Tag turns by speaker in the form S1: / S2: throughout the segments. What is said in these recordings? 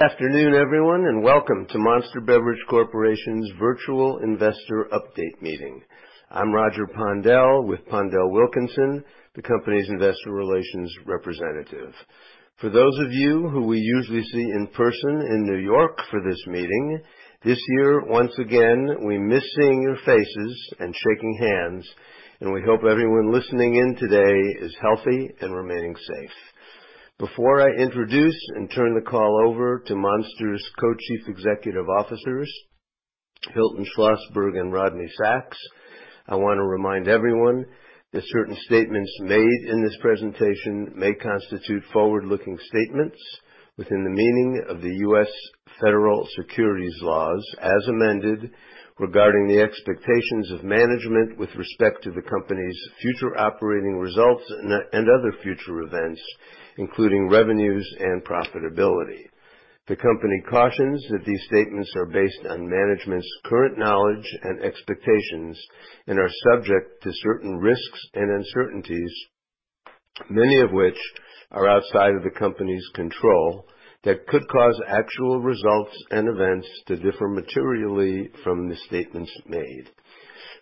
S1: Afternoon, everyone, and welcome to Monster Beverage Corporation's virtual investor update meeting. I'm Roger Pondel with PondelWilkinson, the company's investor relations representative. For those of you who we usually see in person in New York for this meeting, this year, once again, we miss seeing your faces and shaking hands, and we hope everyone listening in today is healthy and remaining safe. Before I introduce and turn the call over to Monster's Co-Chief Executive Officers, Hilton Schlosberg and Rodney Sacks, I wanna remind everyone that certain statements made in this presentation may constitute forward-looking statements within the meaning of the U.S. federal securities laws, as amended, regarding the expectations of management with respect to the company's future operating results and other future events, including revenues and profitability. The company cautions that these statements are based on management's current knowledge and expectations and are subject to certain risks and uncertainties, many of which are outside of the company's control, that could cause actual results and events to differ materially from the statements made.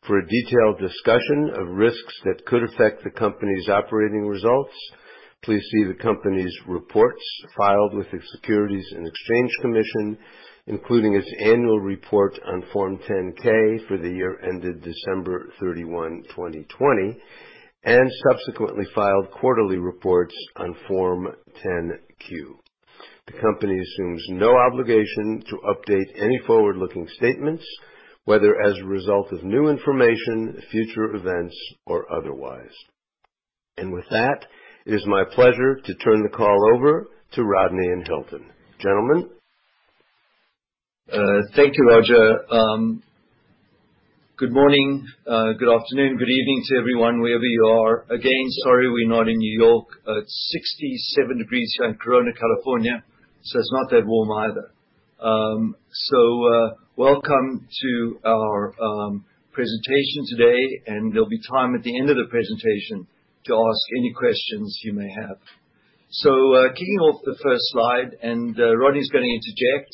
S1: For a detailed discussion of risks that could affect the company's operating results, please see the company's reports filed with the Securities and Exchange Commission, including its annual report on Form 10-K for the year ended December 31, 2020, and subsequently filed quarterly reports on Form 10-Q. The company assumes no obligation to update any forward-looking statements, whether as a result of new information, future events or otherwise. With that, it is my pleasure to turn the call over to Rodney and Hilton. Gentlemen?
S2: Thank you, Roger Pondel. Good morning, good afternoon, good evening to everyone, wherever you are. Again, sorry, we're not in New York. It's 67 degrees Fahrenheit here in Corona, California, so it's not that warm either. Welcome to our presentation today, and there'll be time at the end of the presentation to ask any questions you may have. Kicking off the first slide, and Rodney's gonna interject.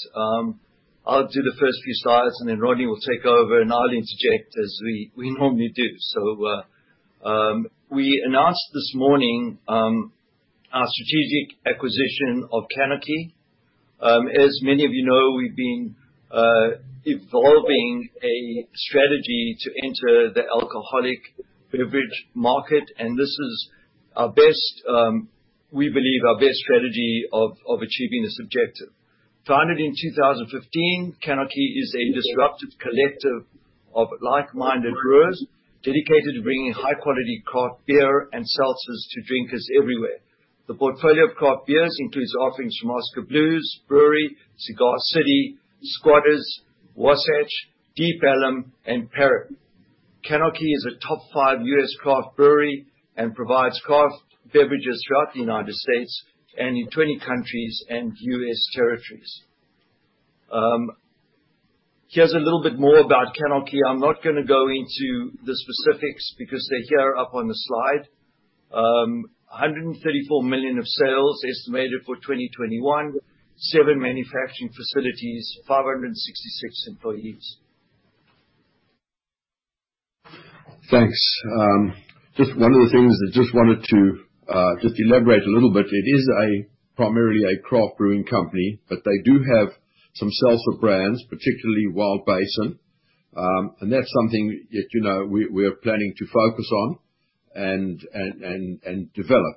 S2: I'll do the first few slides, and then Rodney will take over, and I'll interject as we normally do. We announced this morning our strategic acquisition of CANarchy. As many of you know, we've been evolving a strategy to enter the alcoholic beverage market, and this is our best, we believe, our best strategy of achieving this objective. Founded in 2015, CANarchy is a disruptive collective of like-minded brewers dedicated to bringing high quality craft beer and seltzers to drinkers everywhere. The portfolio of craft beers includes offerings from Oskar Blues Brewery, Cigar City, Squatters, Wasatch, Deep Ellum, and Perrin. CANarchy is a top five U.S. craft brewery and provides craft beverages throughout the United States and in 20 countries and U.S. territories. Here's a little bit more about CANarchy. I'm not gonna go into the specifics because they're here up on the slide. $134 million of sales estimated for 2021. Seven manufacturing facilities, 566 employees.
S3: Thanks. Just one of the things that just wanted to just elaborate a little bit. It is primarily a craft brewing company, but they do have some seltzer brands, particularly Wild Basin. That's something that, you know, we are planning to focus on and develop.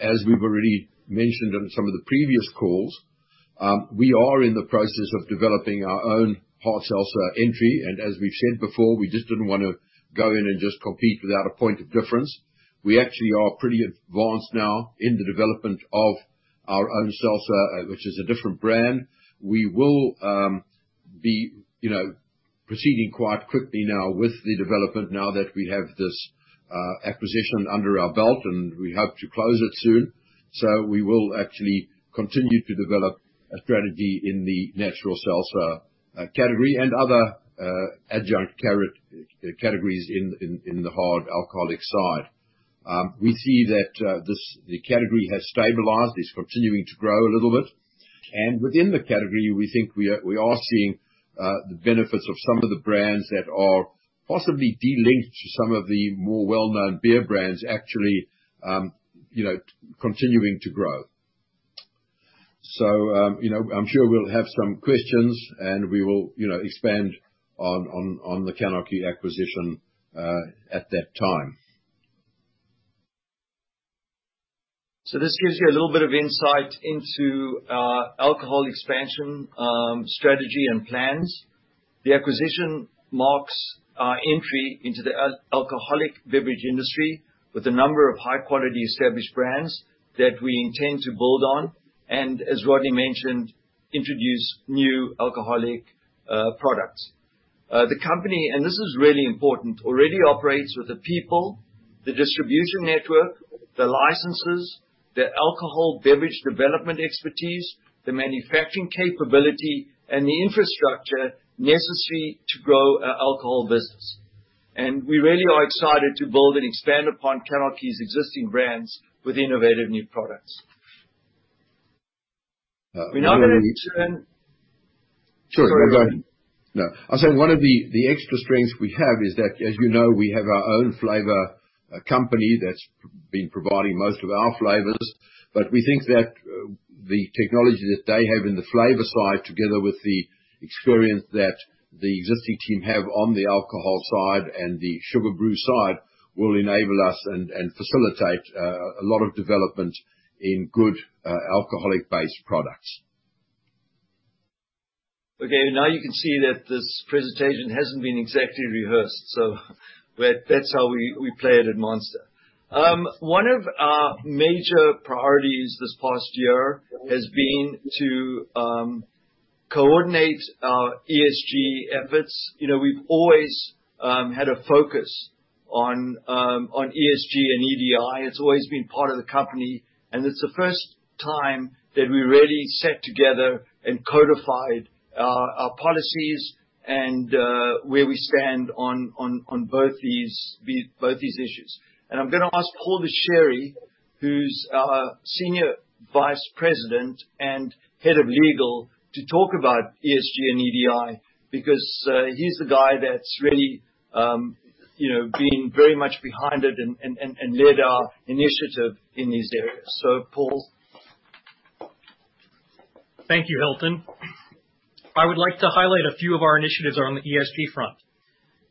S3: As we've already mentioned on some of the previous calls, we are in the process of developing our own hard seltzer entry, and as we've said before, we just didn't wanna go in and just compete without a point of difference. We actually are pretty advanced now in the development of our own seltzer, which is a different brand. We will be, you know, proceeding quite quickly now with the development now that we have this acquisition under our belt, and we hope to close it soon. We will actually continue to develop a strategy in the natural seltzer category and other adjacent categories in the hard alcoholic side. We see that the category has stabilized. It's continuing to grow a little bit. Within the category, we think we are seeing the benefits of some of the brands that are possibly de-linked to some of the more well-known beer brands, actually, you know, continuing to grow. You know, I'm sure we'll have some questions, and we will, you know, expand on the CANarchy acquisition at that time.
S2: This gives you a little bit of insight into our alcohol expansion strategy and plans. The acquisition marks our entry into the alcoholic beverage industry with a number of high-quality established brands that we intend to build on and, as Rodney mentioned, introduce new alcoholic products. The company, and this is really important, already operates with the people, the distribution network, the licenses, the alcoholic beverage development expertise, the manufacturing capability, and the infrastructure necessary to grow our alcohol business. We really are excited to build and expand upon CANarchy's existing brands with innovative new products. We now gonna turn-
S3: Sure.
S2: Sorry to interrupt.
S3: No. I was saying one of the extra strengths we have is that, as you know, we have our own flavor company that's been providing most of our flavors. We think that the technology that they have in the flavor side, together with the experience that the existing team have on the alcohol side and the sugar brew side, will enable us and facilitate a lot of development in good alcoholic-based products.
S2: Okay, now you can see that this presentation hasn't been exactly rehearsed, so that's how we play it at Monster. One of our major priorities this past year has been to coordinate our ESG efforts. You know, we've always had a focus on ESG and EDI. It's always been part of the company, and it's the first time that we really sat together and codified our policies and where we stand on both these issues. I'm gonna ask Paul Dechary, who's our Senior Vice President and Head of Legal, to talk about ESG and EDI because he's the guy that's really, you know, been very much behind it and led our initiative in these areas. So Paul.
S4: Thank you, Hilton. I would like to highlight a few of our initiatives on the ESG front.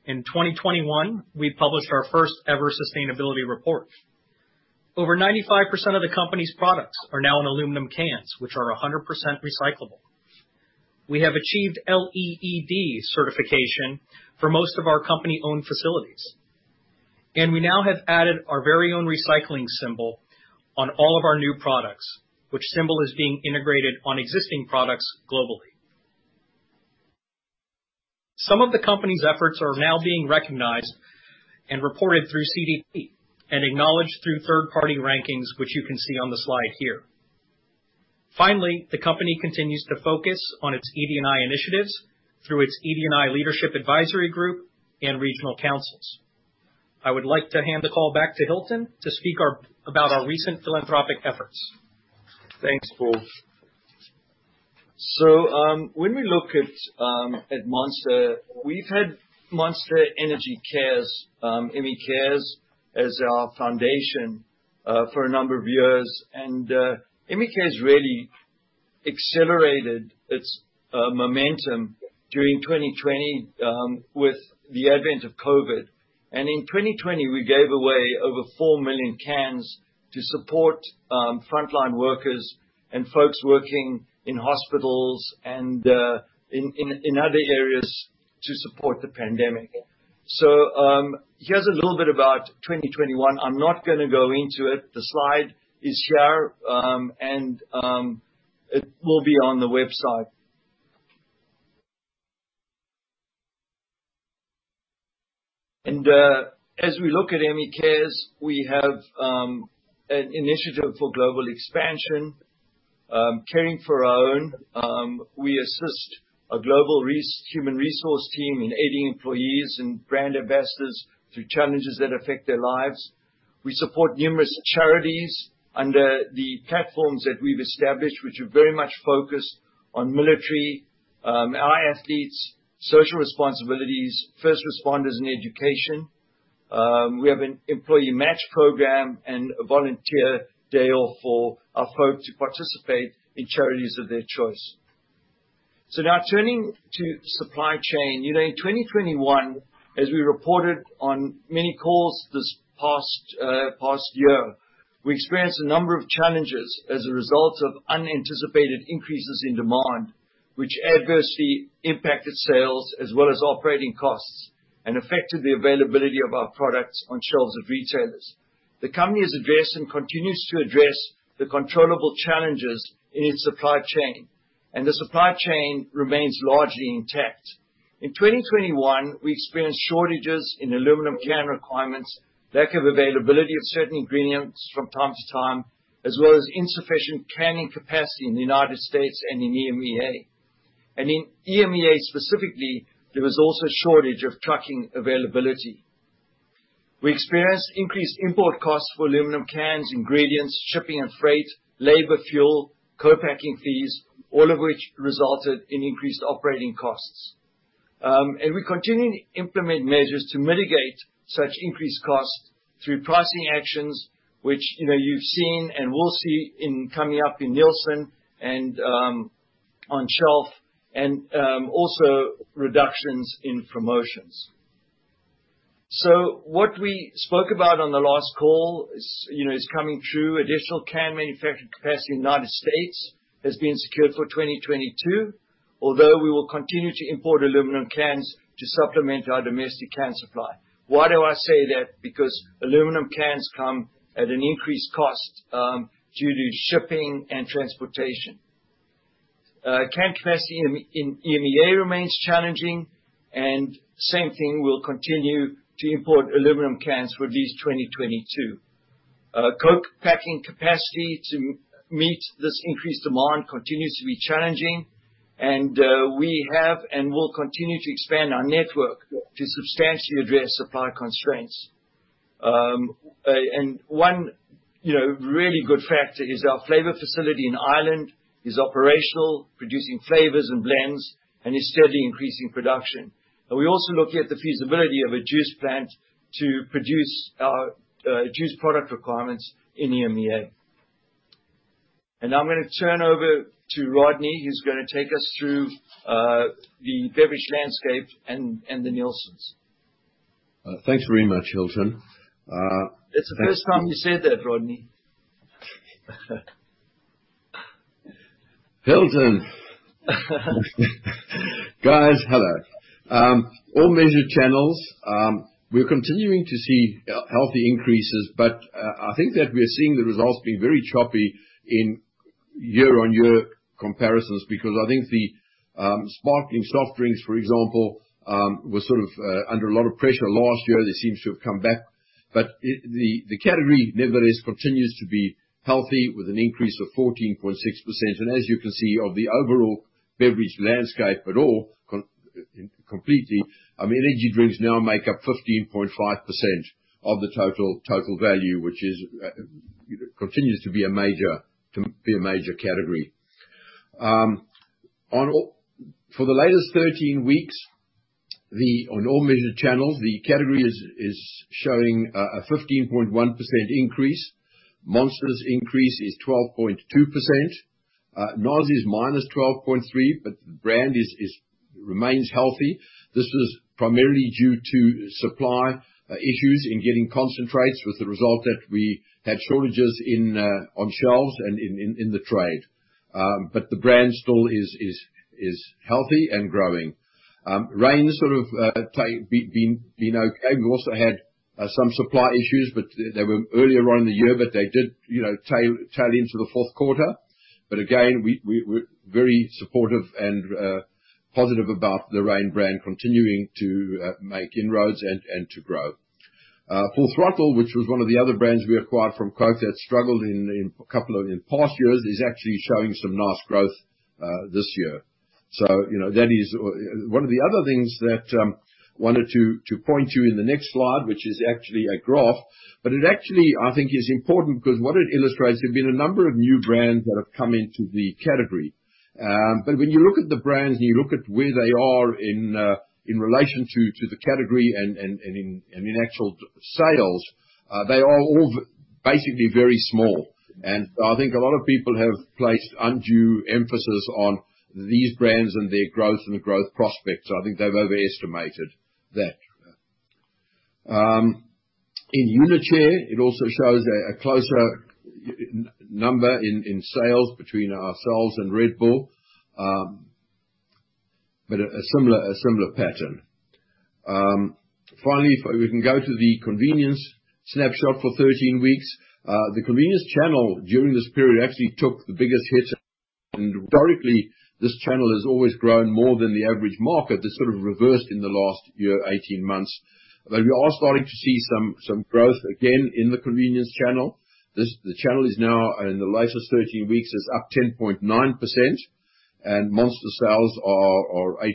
S4: In 2021, we published our first ever sustainability report. Over 95% of the company's products are now in aluminum cans, which are 100% recyclable. We have achieved LEED certification for most of our company-owned facilities. We now have added our very own recycling symbol on all of our new products, which symbol is being integrated on existing products globally. Some of the company's efforts are now being recognized and reported through CDP and acknowledged through third-party rankings, which you can see on the slide here. Finally, the company continues to focus on its ED&I initiatives through its ED&I leadership advisory group and regional councils. I would like to hand the call back to Hilton to speak about our recent philanthropic efforts.
S2: Thanks, Paul. When we look at Monster, we've had Monster Energy Cares, ME Cares as our foundation for a number of years. ME Cares really accelerated its momentum during 2020 with the advent of COVID. In 2020, we gave away over 4 million cans to support frontline workers and folks working in hospitals and in other areas to support the pandemic. Here's a little bit about 2021. I'm not gonna go into it. The slide is here, and it will be on the website. As we look at ME Cares, we have an initiative for global expansion, caring for our own. We assist a global human resource team in aiding employees and brand ambassadors through challenges that affect their lives. We support numerous charities under the platforms that we've established, which are very much focused on military, our athletes, social responsibilities, first responders, and education. We have an employee match program and a volunteer day off for our folks to participate in charities of their choice. Now turning to supply chain. You know, in 2021, as we reported on many calls this past year, we experienced a number of challenges as a result of unanticipated increases in demand, which adversely impacted sales as well as operating costs and affected the availability of our products on shelves of retailers. The company has addressed and continues to address the controllable challenges in its supply chain, and the supply chain remains largely intact. In 2021, we experienced shortages in aluminum can requirements, lack of availability of certain ingredients from time to time, as well as insufficient canning capacity in the United States and in EMEA. In EMEA specifically, there was also a shortage of trucking availability. We experienced increased import costs for aluminum cans, ingredients, shipping and freight, labor, fuel, co-packing fees, all of which resulted in increased operating costs. We continue to implement measures to mitigate such increased costs through pricing actions, which, you know, you've seen and will see coming up in Nielsen and on shelf, and also reductions in promotions. What we spoke about on the last call is, you know, coming true. Additional can manufacturing capacity in United States has been secured for 2022, although we will continue to import aluminum cans to supplement our domestic can supply. Why do I say that? Because aluminum cans come at an increased cost due to shipping and transportation. Can capacity in EMEA remains challenging, and we'll continue to import aluminum cans for at least 2022. Co-packing capacity to meet this increased demand continues to be challenging, and we have and will continue to expand our network to substantially address supply constraints. One, you know, really good factor is our flavor facility in Ireland is operational, producing flavors and blends, and is steadily increasing production. We also looking at the feasibility of a juice plant to produce our juice product requirements in EMEA. Now I'm gonna turn over to Rodney, who's gonna take us through the beverage landscape and the Nielsens.
S3: Thanks very much, Hilton.
S2: It's the first time you said that, Rodney.
S3: Hilton. Guys, hello. All measured channels, we're continuing to see healthy increases, but I think that we are seeing the results being very choppy in year-on-year comparisons because I think the sparkling soft drinks, for example, were sort of under a lot of pressure last year. They seem to have come back. The category, nevertheless, continues to be healthy with an increase of 14.6%. As you can see, of the overall beverage landscape at all completely, I mean, energy drinks now make up 15.5% of the total value, which continues to be a major category. For the latest 13 weeks on all measured channels, the category is showing a 15.1% increase. Monster's increase is 12.2%. NOS is -12.3%, but the brand remains healthy. This was primarily due to supply issues in getting concentrates, with the result that we had shortages on shelves and in the trade. The brand still is healthy and growing. Reign sort of been okay. We also had some supply issues, but they were earlier on in the year, but they did, you know, tail into the fourth quarter. Again, we're very supportive and positive about the Reign brand continuing to make inroads and to grow. Full Throttle, which was one of the other brands we acquired from Coke that struggled in a couple of past years, is actually showing some nice growth this year. You know, that is. One of the other things that I wanted to point to in the next slide, which is actually a graph, but it actually, I think, is important because what it illustrates, there have been a number of new brands that have come into the category. When you look at the brands, and you look at where they are in relation to the category and in actual sales, they are all basically very small. I think a lot of people have placed undue emphasis on these brands and their growth and the growth prospects. I think they've overestimated that. In unit share, it also shows a closer number in sales between ourselves and Red Bull, but a similar pattern. Finally, if we can go to the convenience snapshot for 13 weeks. The convenience channel during this period actually took the biggest hit, and historically, this channel has always grown more than the average market. That sort of reversed in the last year, 18 months. We are starting to see some growth again in the convenience channel. The channel is now, in the latest 13 weeks, up 10.9%, and Monster sales are 8.6%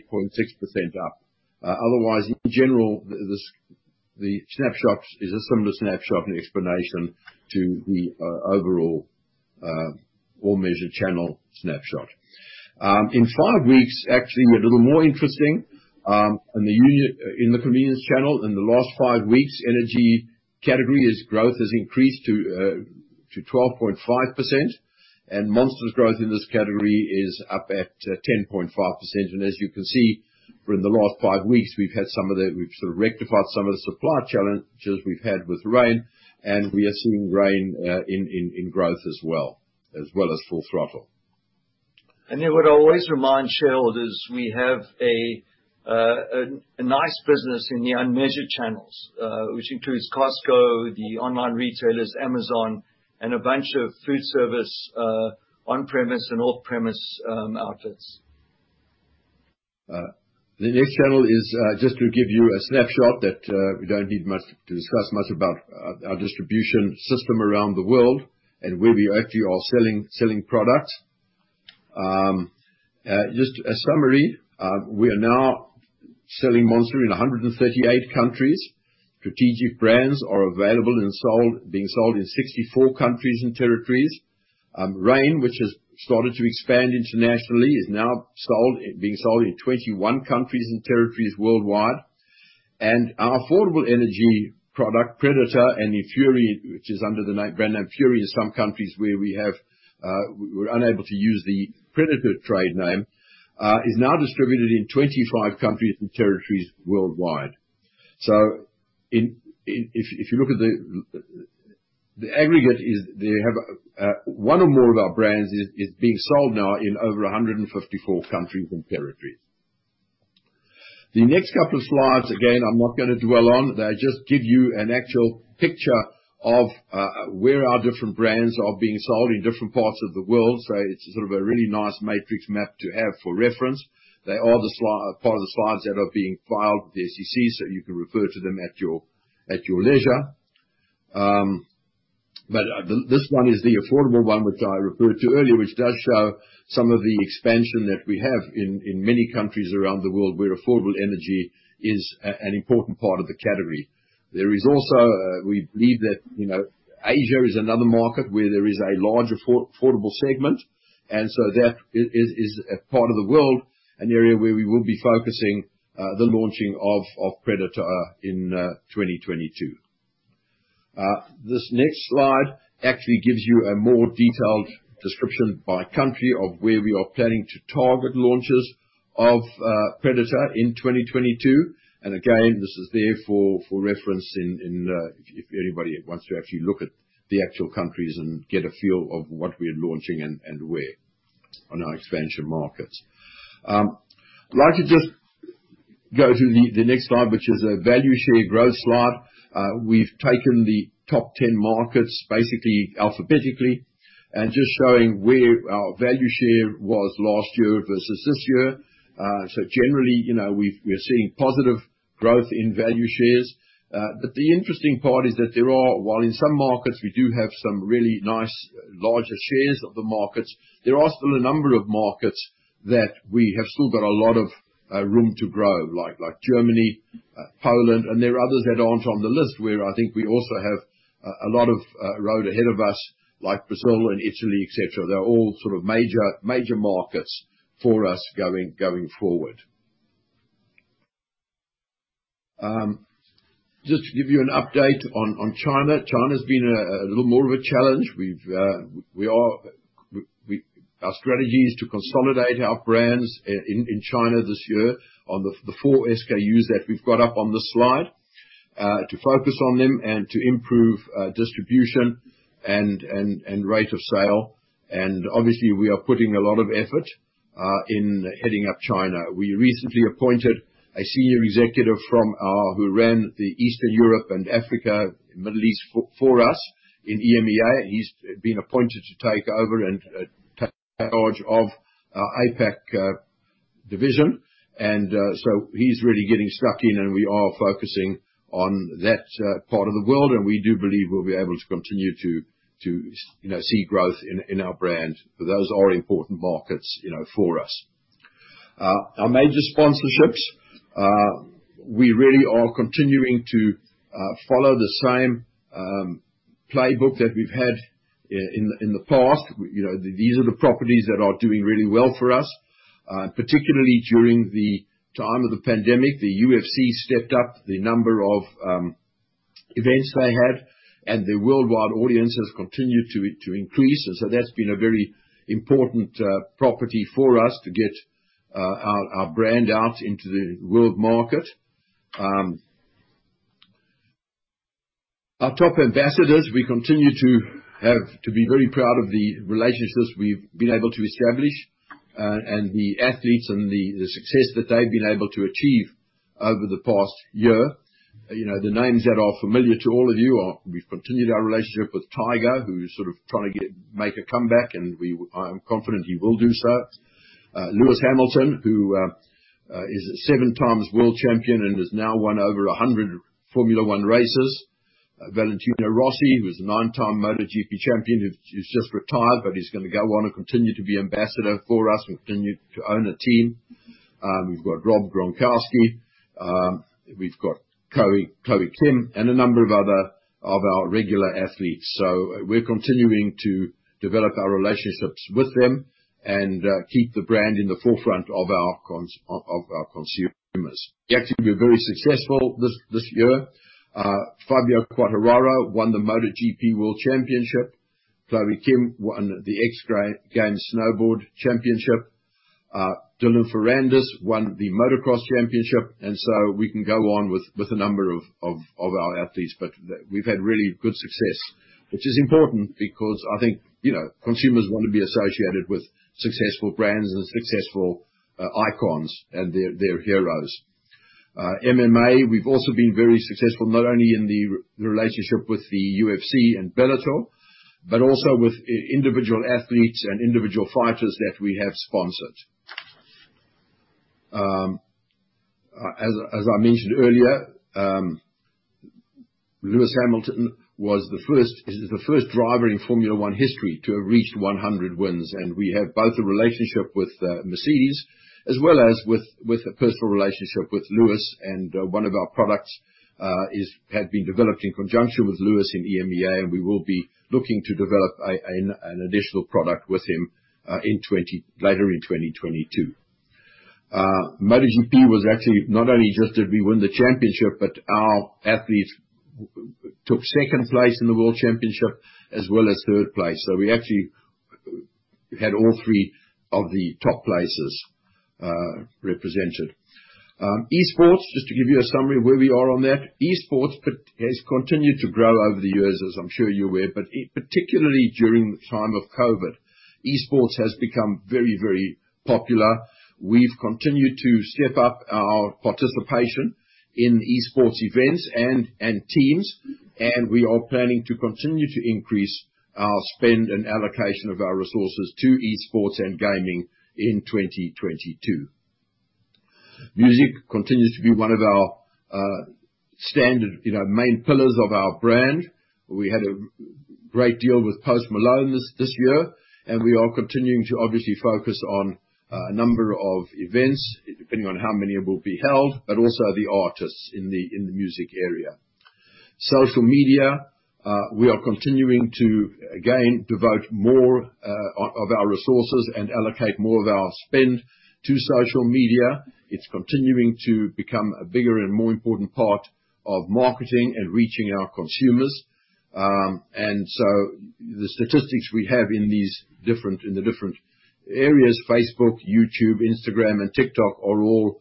S3: up. Otherwise, in general, the snapshot is a similar snapshot and explanation to the overall all measured channel snapshot. In five weeks, actually, we're a little more interesting in the convenience channel. In the last five weeks, energy category's growth has increased to 12.5%, and Monster's growth in this category is up at 10.5%. As you can see, for the last five weeks, we've sort of rectified some of the supply challenges we've had with Reign, and we are seeing Reign in growth as well as Full Throttle.
S2: What I always remind shareholders, we have a nice business in the unmeasured channels, which includes Costco, the online retailers, Amazon, and a bunch of food service, on-premise and off-premise outlets.
S3: The next channel is just to give you a snapshot that we don't need much to discuss much about our distribution system around the world and where we actually are selling products. Just a summary, we are now selling Monster in 138 countries. Strategic brands are available and being sold in 64 countries and territories. Reign, which has started to expand internationally, is now sold, it's being sold in 21 countries and territories worldwide. Our affordable energy product, Predator, and Fury, which is under the name brand named Fury in some countries where we're unable to use the Predator trade name, is now distributed in 25 countries and territories worldwide. If you look at the aggregate, they have. One or more of our brands is being sold now in over 154 countries and territories. The next couple of slides, again, I'm not gonna dwell on. They just give you an actual picture of where our different brands are being sold in different parts of the world. It's sort of a really nice matrix map to have for reference. They are part of the slides that are being filed with the SEC, so you can refer to them at your leisure. This one is the affordable one which I referred to earlier, which does show some of the expansion that we have in many countries around the world where affordable energy is an important part of the category. There is also... We believe that Asia is another market where there is a large affordable segment. That is a part of the world, an area where we will be focusing the launching of Predator in 2022. This next slide actually gives you a more detailed description by country of where we are planning to target launches of Predator in 2022. Again, this is there for reference if anybody wants to actually look at the actual countries and get a feel of what we are launching and where on our expansion markets. I'd like to just go to the next slide, which is a value share growth slide. We've taken the top 10 markets, basically alphabetically, and just showing where our value share was last year versus this year. Generally, you know, we're seeing positive growth in value shares. The interesting part is that there are, while in some markets we do have some really nice larger shares of the markets, there are still a number of markets that we have still got a lot of room to grow, like Germany, Poland, and there are others that aren't on the list where I think we also have a lot of road ahead of us, like Brazil and Italy, et cetera. They're all sort of major markets for us going forward. Just to give you an update on China. China's been a little more of a challenge. We are we... Our strategy is to consolidate our brands in China this year on the four SKUs that we've got up on this slide, to focus on them and to improve distribution and rate of sale. Obviously, we are putting a lot of effort in heading up China. We recently appointed a senior executive who ran the Eastern Europe and Africa, Middle East for us in EMEA, and he's been appointed to take over and take charge of our APAC division. He's really getting stuck in, and we are focusing on that part of the world. We do believe we'll be able to continue to, you know, see growth in our brand. Those are important markets, you know, for us. Our major sponsorships. We really are continuing to follow the same playbook that we've had in the past. You know, these are the properties that are doing really well for us. Particularly during the time of the pandemic, the UFC stepped up the number of events they had, and their worldwide audience has continued to increase. That's been a very important property for us to get our brand out into the world market. Our top ambassadors, we continue to have to be very proud of the relationships we've been able to establish, and the athletes and the success that they've been able to achieve over the past year. You know, the names that are familiar to all of you are, we've continued our relationship with Tiger, who's trying to make a comeback, and I'm confident he will do so. Lewis Hamilton, who is a seven times world champion and has now won over 100 Formula One races. Valentino Rossi, who is a nine-time MotoGP champion. He's just retired, but he's gonna go on and continue to be ambassador for us. We continue to own a team. We've got Rob Gronkowski. We've got Chloe Kim and a number of other of our regular athletes. We're continuing to develop our relationships with them and keep the brand in the forefront of our consumers' minds. They actually were very successful this year. Fabio Quartararo won the MotoGP World Championship. Chloe Kim won the X Games Snowboard Championship. Dylan Ferrandis won the Motocross Championship. We can go on with a number of our athletes. We've had really good success, which is important because I think, you know, consumers wanna be associated with successful brands and successful icons and their heroes. MMA, we've also been very successful, not only in the relationship with the UFC and Bellator, but also with individual athletes and individual fighters that we have sponsored. As I mentioned earlier, Lewis Hamilton is the first driver in Formula One history to have reached 100 wins. We have both a relationship with Mercedes as well as with a personal relationship with Lewis. One of our products had been developed in conjunction with Lewis in EMEA, and we will be looking to develop an additional product with him later in 2022. MotoGP was actually not only just did we win the championship, but our athletes took second place in the world championship as well as third place. We actually had all three of the top places represented. Esports, just to give you a summary of where we are on that. Esports has continued to grow over the years, as I'm sure you're aware, but particularly during the time of COVID, esports has become very, very popular. We've continued to step up our participation in esports events and teams, and we are planning to continue to increase our spend and allocation of our resources to esports and gaming in 2022. Music continues to be one of our standard, you know, main pillars of our brand. We had a great deal with Post Malone this year, and we are continuing to obviously focus on a number of events, depending on how many will be held, but also the artists in the music area. Social media, we are continuing to, again, devote more of our resources and allocate more of our spend to social media. It's continuing to become a bigger and more important part of marketing and reaching our consumers. The statistics we have in these different areas, Facebook, YouTube, Instagram, and TikTok, are all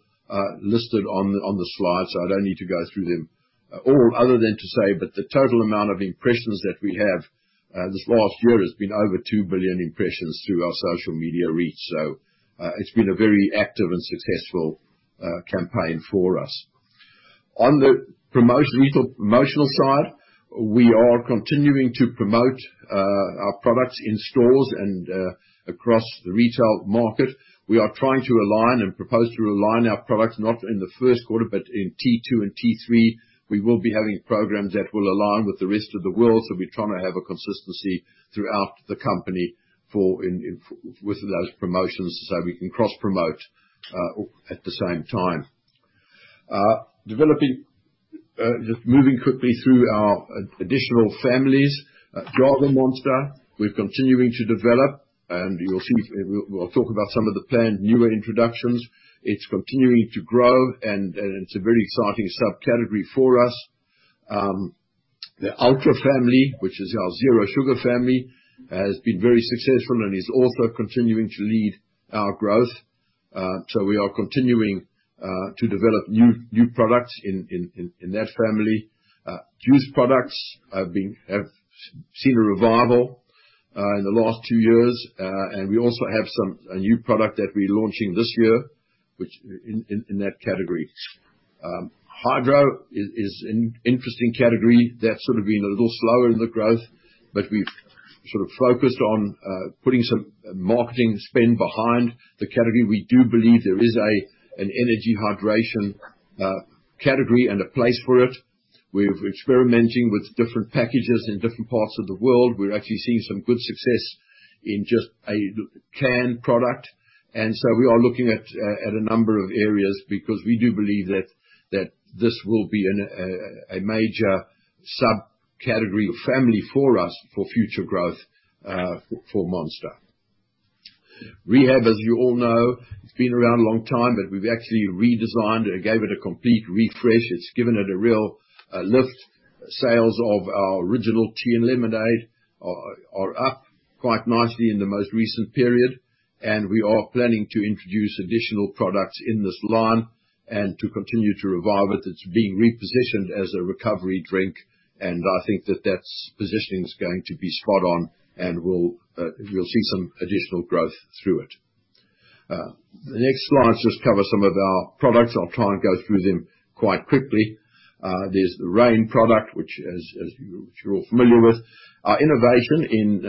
S3: listed on the slides. I don't need to go through them all other than to say, the total amount of impressions that we have this last year has been over 2 billion impressions through our social media reach. It's been a very active and successful campaign for us. On the retail promotional side, we are continuing to promote our products in stores and across the retail market. We are trying to align and propose to align our products not in the first quarter, but in Q2 and Q3, we will be having programs that will align with the rest of the world. We're trying to have a consistency throughout the company for in with those promotions, so we can cross-promote at the same time. We're developing just moving quickly through our additional families. Java Monster, we're continuing to develop, and you'll see. We'll talk about some of the planned newer introductions. It's continuing to grow, and it's a very exciting subcategory for us. The Ultra family, which is our zero sugar family, has been very successful and is also continuing to lead our growth. We are continuing to develop new products in that family. Juice products have seen a revival in the last two years. We also have a new product that we're launching this year, which in that category. Hydro is an interesting category that's sort of been a little slower in the growth, but we've sort of focused on putting some marketing spend behind the category. We do believe there is an energy hydration category and a place for it. We're experimenting with different packages in different parts of the world. We're actually seeing some good success in just a canned product. We are looking at a number of areas because we do believe that this will be a major subcategory family for us for future growth for Monster. Rehab, as you all know, it's been around a long time, but we've actually redesigned and gave it a complete refresh. It's given it a real lift. Sales of our original tea and lemonade are up quite nicely in the most recent period, and we are planning to introduce additional products in this line and to continue to revive it. It's being repositioned as a recovery drink, and I think that that's positioning is going to be spot on, and we'll see some additional growth through it. The next slides just cover some of our products. I'll try and go through them quite quickly. There's the Reign product, which, as you're all familiar with. Our innovation in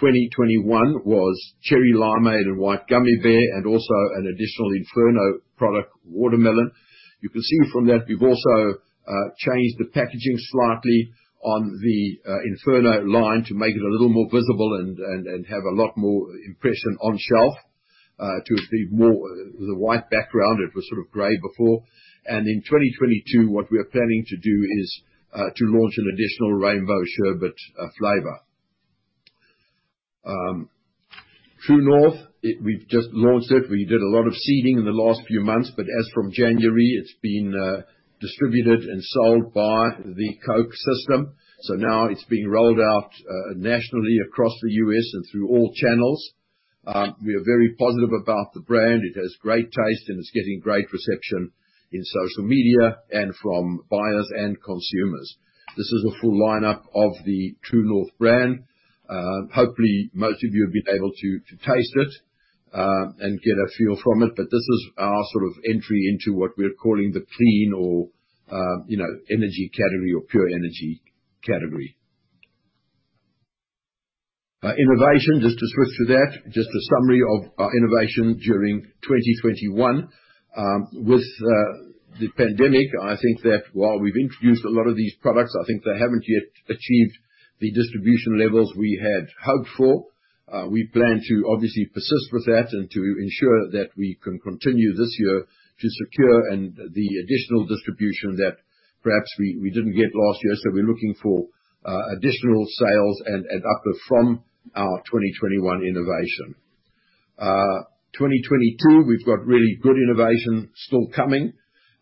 S3: 2021 was Cherry Limeade and White Gummy Bear and also an additional Inferno product, Watermelon. You can see from that we've also changed the packaging slightly on the Inferno line to make it a little more visible and have a lot more impression on shelf to achieve more. The white background was sort of gray before. In 2022, what we are planning to do is to launch an additional Rainbow Sherbet flavor. True North, we've just launched it. We did a lot of seeding in the last few months, but as from January, it's been distributed and sold by the Coke system. So now it's being rolled out nationally across the U.S. and through all channels. We are very positive about the brand. It has great taste, and it's getting great reception in social media and from buyers and consumers. This is a full lineup of the True North brand. Hopefully, most of you have been able to taste it and get a feel from it. This is our sort of entry into what we're calling the clean or, you know, energy category or pure energy category. Innovation, just to switch to that, just a summary of our innovation during 2021. With the pandemic, I think that while we've introduced a lot of these products, I think they haven't yet achieved the distribution levels we had hoped for. We plan to obviously persist with that and to ensure that we can continue this year to secure the additional distribution that perhaps we didn't get last year. We're looking for additional sales and uplift from our 2021 innovation. 2022, we've got really good innovation still coming.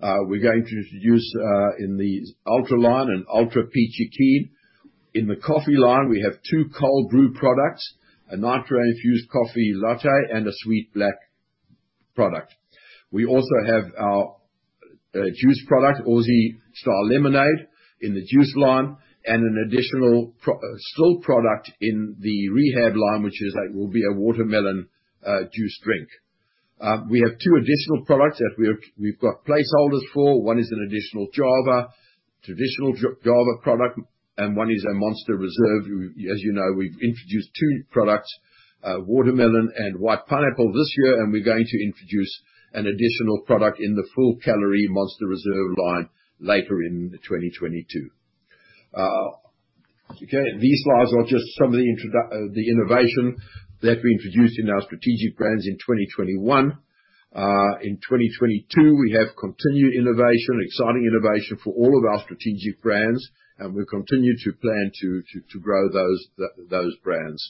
S3: We're going to introduce, in the Ultra line, an Ultra Peachy Keen. In the coffee line, we have two cold brew products, a nitro-infused coffee latte and a sweet black product. We also have our juice product, Aussie Style Lemonade, in the juice line, and an additional silk product in the Rehab line, which will be a watermelon juice drink. We have two additional products that we've got placeholders for. One is an additional Java, traditional Java product, and one is a Monster Reserve. As you know, we've introduced two products, Watermelon and White Pineapple this year, and we're going to introduce an additional product in the full calorie Monster Reserve line later in 2022. Okay, these slides are just some of the innovation that we introduced in our strategic brands in 2021. In 2022, we have continued innovation, exciting innovation for all of our strategic brands, and we continue to plan to grow those brands.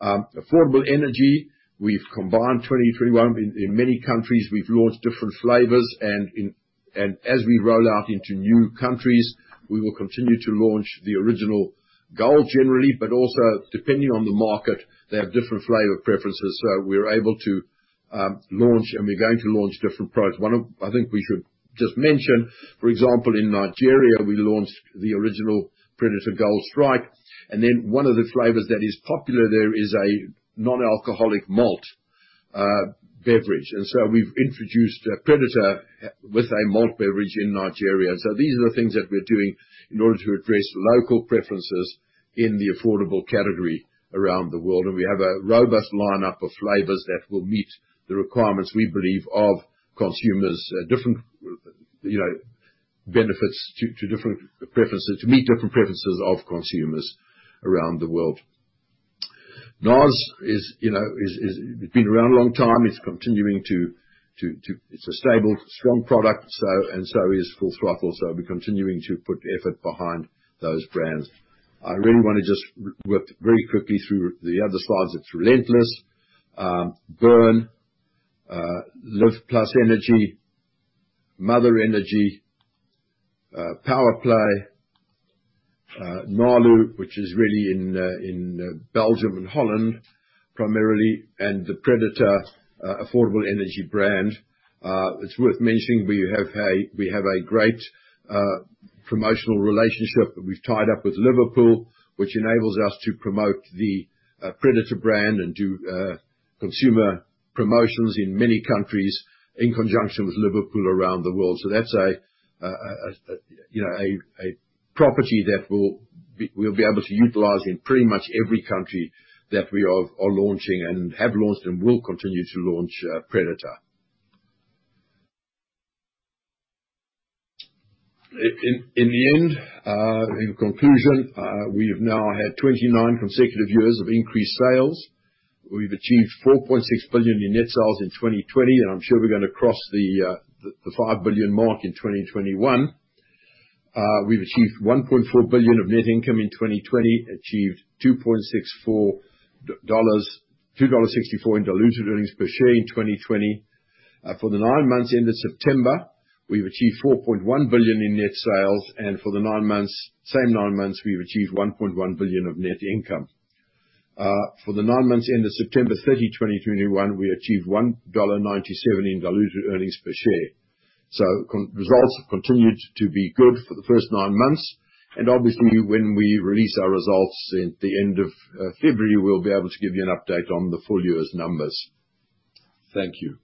S3: Affordable energy in many countries, we've launched different flavors, and as we roll out into new countries, we will continue to launch the original Gold generally, but also depending on the market, they have different flavor preferences. We're able to launch, and we're going to launch different products. I think we should just mention, for example, in Nigeria, we launched the original Predator Gold Strike, and then one of the flavors that is popular there is a non-alcoholic malt beverage. We've introduced a Predator with a malt beverage in Nigeria. These are the things that we're doing in order to address local preferences in the affordable category around the world, and we have a robust lineup of flavors that will meet the requirements, we believe, of consumers, different benefits to different preferences, to meet different preferences of consumers around the world. NOS is. It's been around a long time. It's a stable, strong product, and so is Full Throttle, so we're continuing to put effort behind those brands. I really wanna just whip very quickly through the other slides. It's Relentless, Burn, Live+ Energy, Mother Energy, Power Play, Nalu, which is really in Belgium and Holland, primarily, and the Predator affordable energy brand. It's worth mentioning we have a great promotional relationship that we've tied up with Liverpool, which enables us to promote the Predator brand and do consumer promotions in many countries in conjunction with Liverpool around the world. That's a you know a property that we'll be able to utilize in pretty much every country that we are launching and have launched and will continue to launch Predator. In the end, in conclusion, we have now had 29 consecutive years of increased sales. We've achieved $4.6 billion in net sales in 2020, and I'm sure we're gonna cross the $5 billion mark in 2021. We've achieved $1.4 billion of net income in 2020, achieved $2.64, $2.64 in diluted earnings per share in 2020. For the nine months ended September, we've achieved $4.1 billion in net sales, and for the nine months, same nine months, we've achieved $1.1 billion of net income. For the nine months ended September 30, 2021, we achieved $1.97 in diluted earnings per share. Results have continued to be good for the first nine months, and obviously, when we release our results at the end of February, we'll be able to give you an update on the full year's numbers. Thank you.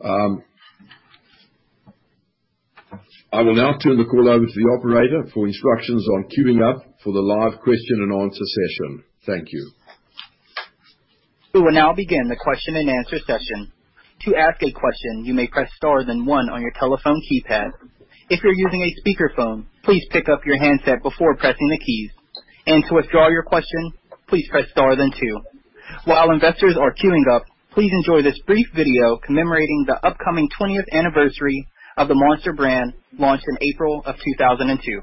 S3: I will now turn the call over to the operator for instructions on queuing up for the live question-and-answer session. Thank you.
S5: We will now begin the question-and answer session. To ask a question, you may press star then one on your telephone keypad. If you're using a speakerphone, please pick up your handset before pressing the keys. To withdraw your question, please press star then two. While investors are queuing up, please enjoy this brief video commemorating the upcoming 20th anniversary of the Monster brand, launched in April of 2002.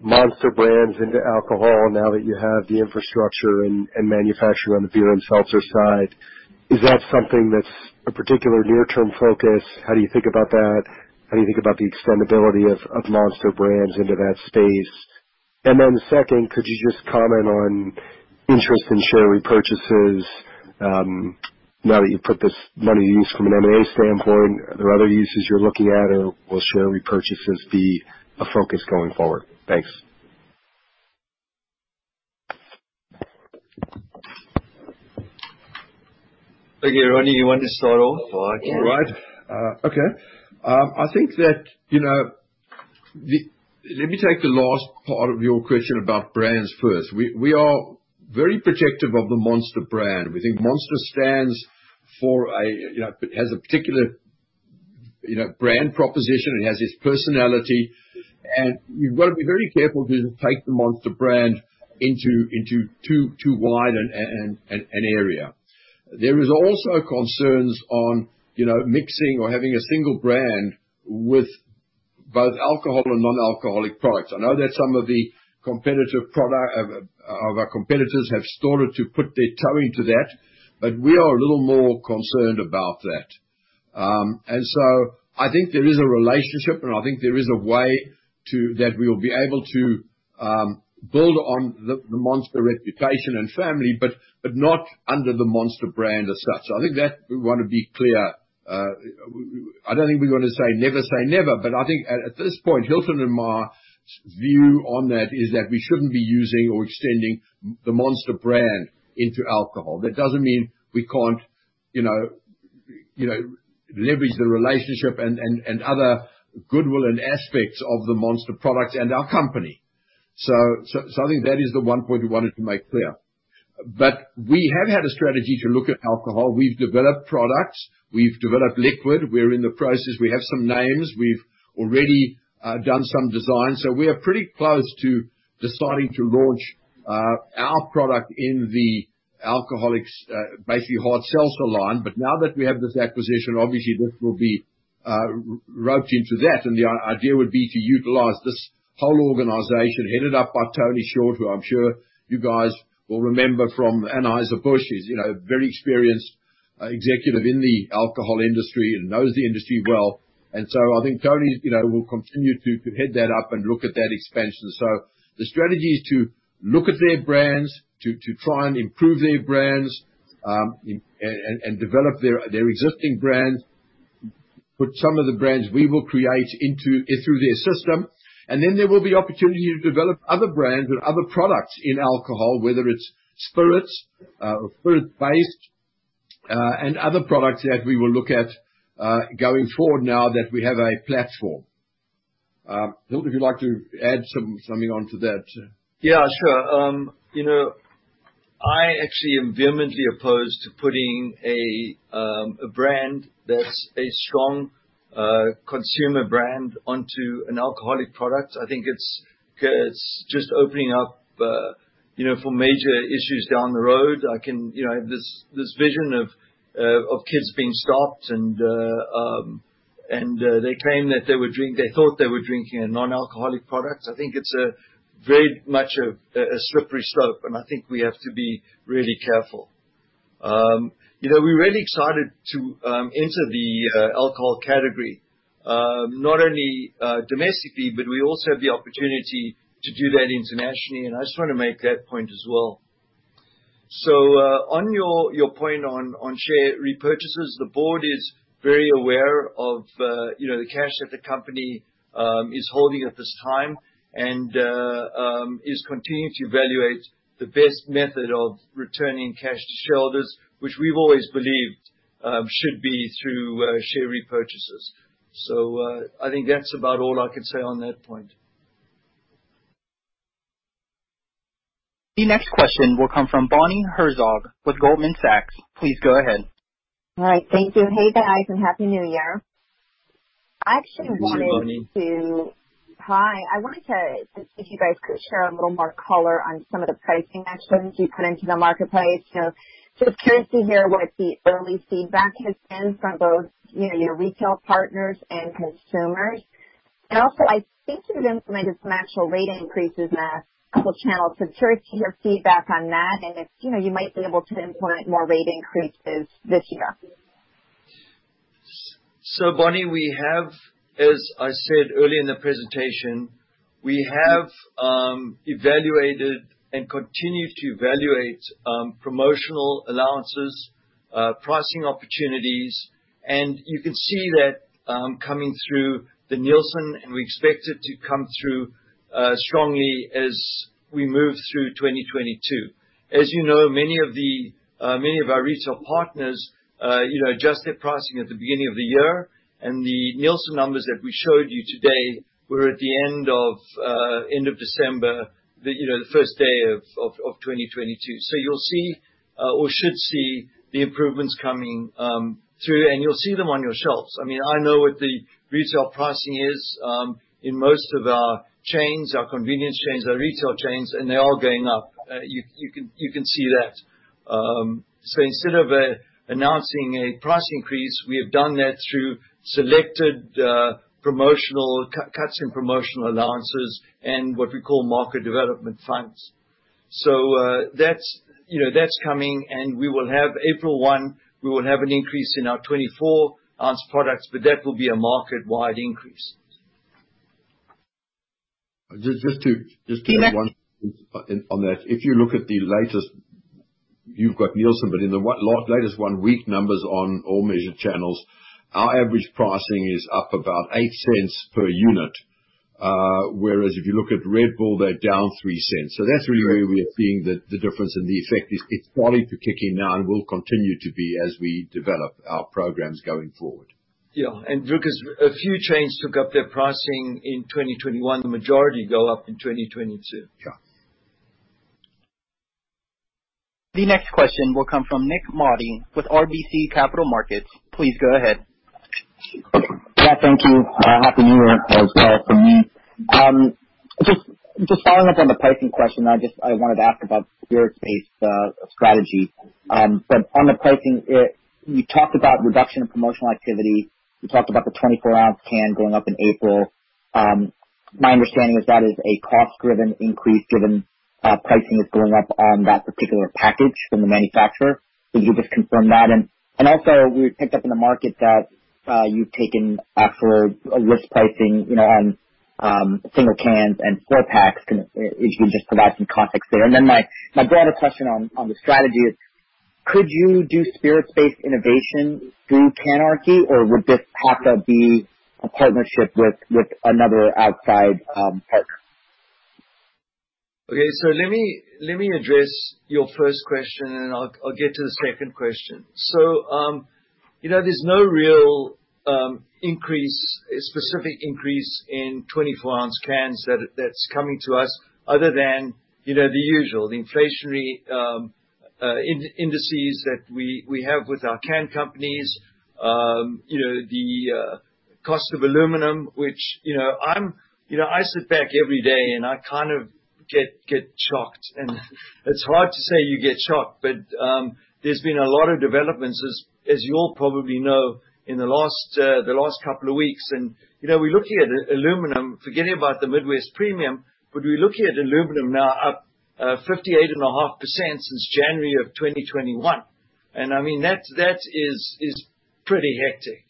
S6: Monster brands into alcohol now that you have the infrastructure and manufacturing on the beer and seltzer side? Is that something that's a particular near-term focus? How do you think about that? How do you think about the extendability of Monster brands into that space? And then second, could you just comment on interest in share repurchases now that you've put this money to use from an M&A standpoint? Are there other uses you're looking at, or will share repurchases be a focus going forward? Thanks.
S2: Okay, Rodney, you want to start off or I can?
S3: Yeah. All right. Okay. I think that, you know, let me take the last part of your question about brands first. We are very protective of the Monster brand. We think Monster stands for a, you know, has a particular, you know, brand proposition. It has its personality, and you've got to be very careful to take the Monster brand into too wide an area. There is also concerns on, you know, mixing or having a single brand with both alcohol and non-alcoholic products. I know that some of the competitive product of our competitors have started to put their toe into that, but we are a little more concerned about that. I think there is a relationship, and I think there is a way to. That we will be able to build on the Monster reputation and family, but not under the Monster brand as such. I think that we want to be clear. I don't think we're gonna say never say never, but I think at this point, Hilton and my view on that is that we shouldn't be using or extending the Monster brand into alcohol. That doesn't mean we can't, you know, leverage the relationship and other goodwill and aspects of the Monster products and our company. I think that is the one point we wanted to make clear. We have had a strategy to look at alcohol. We've developed products. We've developed liquid. We're in the process. We have some names. We've already done some design. We are pretty close to deciding to launch our product in the alcoholic basically hard seltzer line. Now that we have this acquisition, obviously this will be rolled into that. The idea would be to utilize this whole organization headed up by Tony Short, who I'm sure you guys will remember from Anheuser-Busch. He's, you know, a very experienced executive in the alcohol industry and knows the industry well. I think Tony, you know, will continue to head that up and look at that expansion. The strategy is to look at their brands to try and improve their brands and develop their existing brands. Put some of the brands we will create into their system. There will be opportunity to develop other brands with other products in alcohol, whether it's spirits, or spirit-based, and other products that we will look at, going forward now that we have a platform. Hilton, if you'd like to add something onto that.
S2: Yeah, sure. You know, I actually am vehemently opposed to putting a brand that's a strong consumer brand onto an alcoholic product. I think it's just opening up, you know, for major issues down the road. You know, I have this vision of kids being stopped and they claim they thought they were drinking a non-alcoholic product. I think it's very much a slippery slope, and I think we have to be really careful. You know, we're really excited to enter the alcohol category, not only domestically, but we also have the opportunity to do that internationally, and I just wanna make that point as well. On your point on share repurchases, the board is very aware of, you know, the cash that the company is holding at this time and is continuing to evaluate the best method of returning cash to shareholders, which we've always believed should be through share repurchases. I think that's about all I can say on that point.
S5: The next question will come from Bonnie Herzog with Goldman Sachs. Please go ahead.
S7: All right. Thank you. Hey, guys, and Happy New Year. I actually wanted to.
S2: Good morning, Bonnie.
S7: Hi. If you guys could share a little more color on some of the pricing actions you put into the marketplace. You know, just curious to hear what the early feedback has been from both, you know, your retail partners and consumers. Also, I think you've implemented some actual rate increases in a couple channels, so just curious to hear feedback on that and if, you know, you might be able to implement more rate increases this year.
S2: So Bonnie, we have, as I said early in the presentation, evaluated and continue to evaluate promotional allowances, pricing opportunities, and you can see that coming through the Nielsen, and we expect it to come through strongly as we move through 2022. As you know, many of our retail partners, you know, adjust their pricing at the beginning of the year, and the Nielsen numbers that we showed you today were at the end of December, you know, the first day of 2022. You'll see or should see the improvements coming through, and you'll see them on your shelves. I mean, I know what the retail pricing is in most of our chains, our convenience chains, our retail chains, and they're all going up. You can see that. Instead of announcing a price increase, we have done that through selected cuts in promotional allowances and what we call market development funds. That's, you know, coming and we will have, April 1, an increase in our 24-oz products, but that will be a market-wide increase.
S3: Just to add one on that. If you look at the latest. You've got Nielsen, but in the latest one-week numbers on all measured channels, our average pricing is up about $0.08 per unit. Whereas if you look at Red Bull, they're down $0.03. That's really where we are seeing the difference in the effect. It's slowly starting to kick in now and will continue to be as we develop our programs going forward.
S2: Yeah. Because a few chains took up their pricing in 2021, the majority go up in 2022.
S3: Sure.
S5: The next question will come from Nik Modi with RBC Capital Markets. Please go ahead.
S8: Yeah, thank you. Happy New Year as well from me. Just following up on the pricing question, I wanted to ask about spirits-based strategy. On the pricing, you talked about reduction in promotional activity. You talked about the 24-oz can going up in April. My understanding is that is a cost-driven increase given pricing is going up on that particular package from the manufacturer. Could you just confirm that? Also, we've picked up in the market that you've taken aggressive pricing, you know, on single cans and four packs. Can you just provide some context there? My broader question on the strategy is, could you do spirits-based innovation through CANarchy, or would this have to be a partnership with another outside partner?
S2: Okay, let me address your first question, and I'll get to the second question. You know, there's no real specific increase in 24-oz cans that's coming to us other than the usual inflationary indices that we have with our can companies. You know, the cost of aluminum, which, you know, I sit back every day and I kind of get shocked. It's hard to say you get shocked, but there's been a lot of developments as you all probably know, in the last couple of weeks. You know, we're looking at aluminum, forgetting about the Midwest Premium, but we're looking at aluminum now up 58.5% since January 2021. I mean, that's pretty hectic.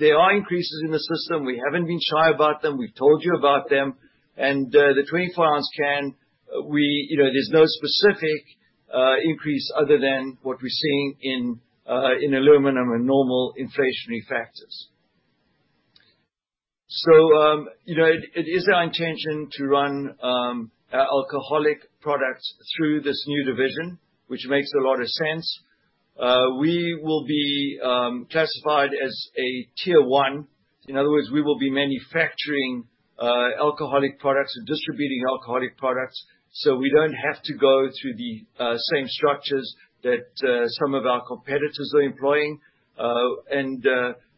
S2: There are increases in the system. We haven't been shy about them. We've told you about them. The 24-oz can, there's no specific increase other than what we're seeing in aluminum and normal inflationary factors. It is our intention to run alcoholic products through this new division, which makes a lot of sense. We will be classified as a tier one. In other words, we will be manufacturing alcoholic products and distributing alcoholic products. We don't have to go through the same structures that some of our competitors are employing.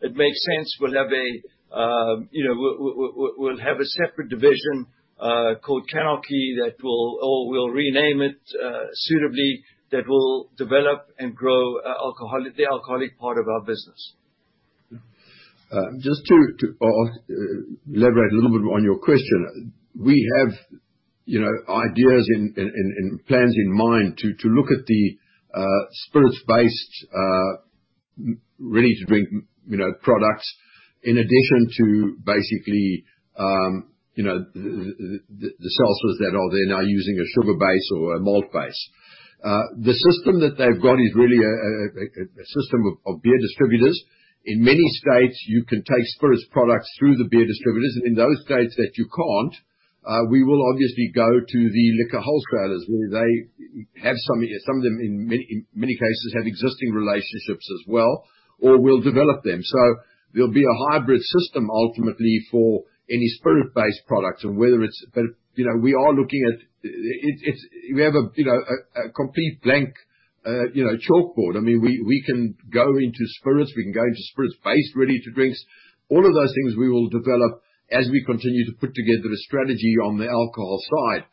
S2: It makes sense. We'll have a separate division called CANarchy that will. We'll rename it suitably that will develop and grow the alcoholic part of our business.
S3: Just to elaborate a little bit on your question. We have, you know, ideas in plans in mind to look at the spirits-based ready-to-drink, you know, products in addition to basically, you know, the seltzers that are there now using a sugar base or a malt base. The system that they've got is really a system of beer distributors. In many states, you can take spirits products through the beer distributors. In those states that you can't, we will obviously go to the liquor wholesalers. They have some of them, in many cases, have existing relationships as well, or we'll develop them. There'll be a hybrid system ultimately for any spirit-based products and whether it's. You know, we are looking at. We have a complete blank chalkboard. I mean, we can go into spirits. We can go into spirits-based ready-to-drinks. All of those things we will develop as we continue to put together a strategy on the alcohol side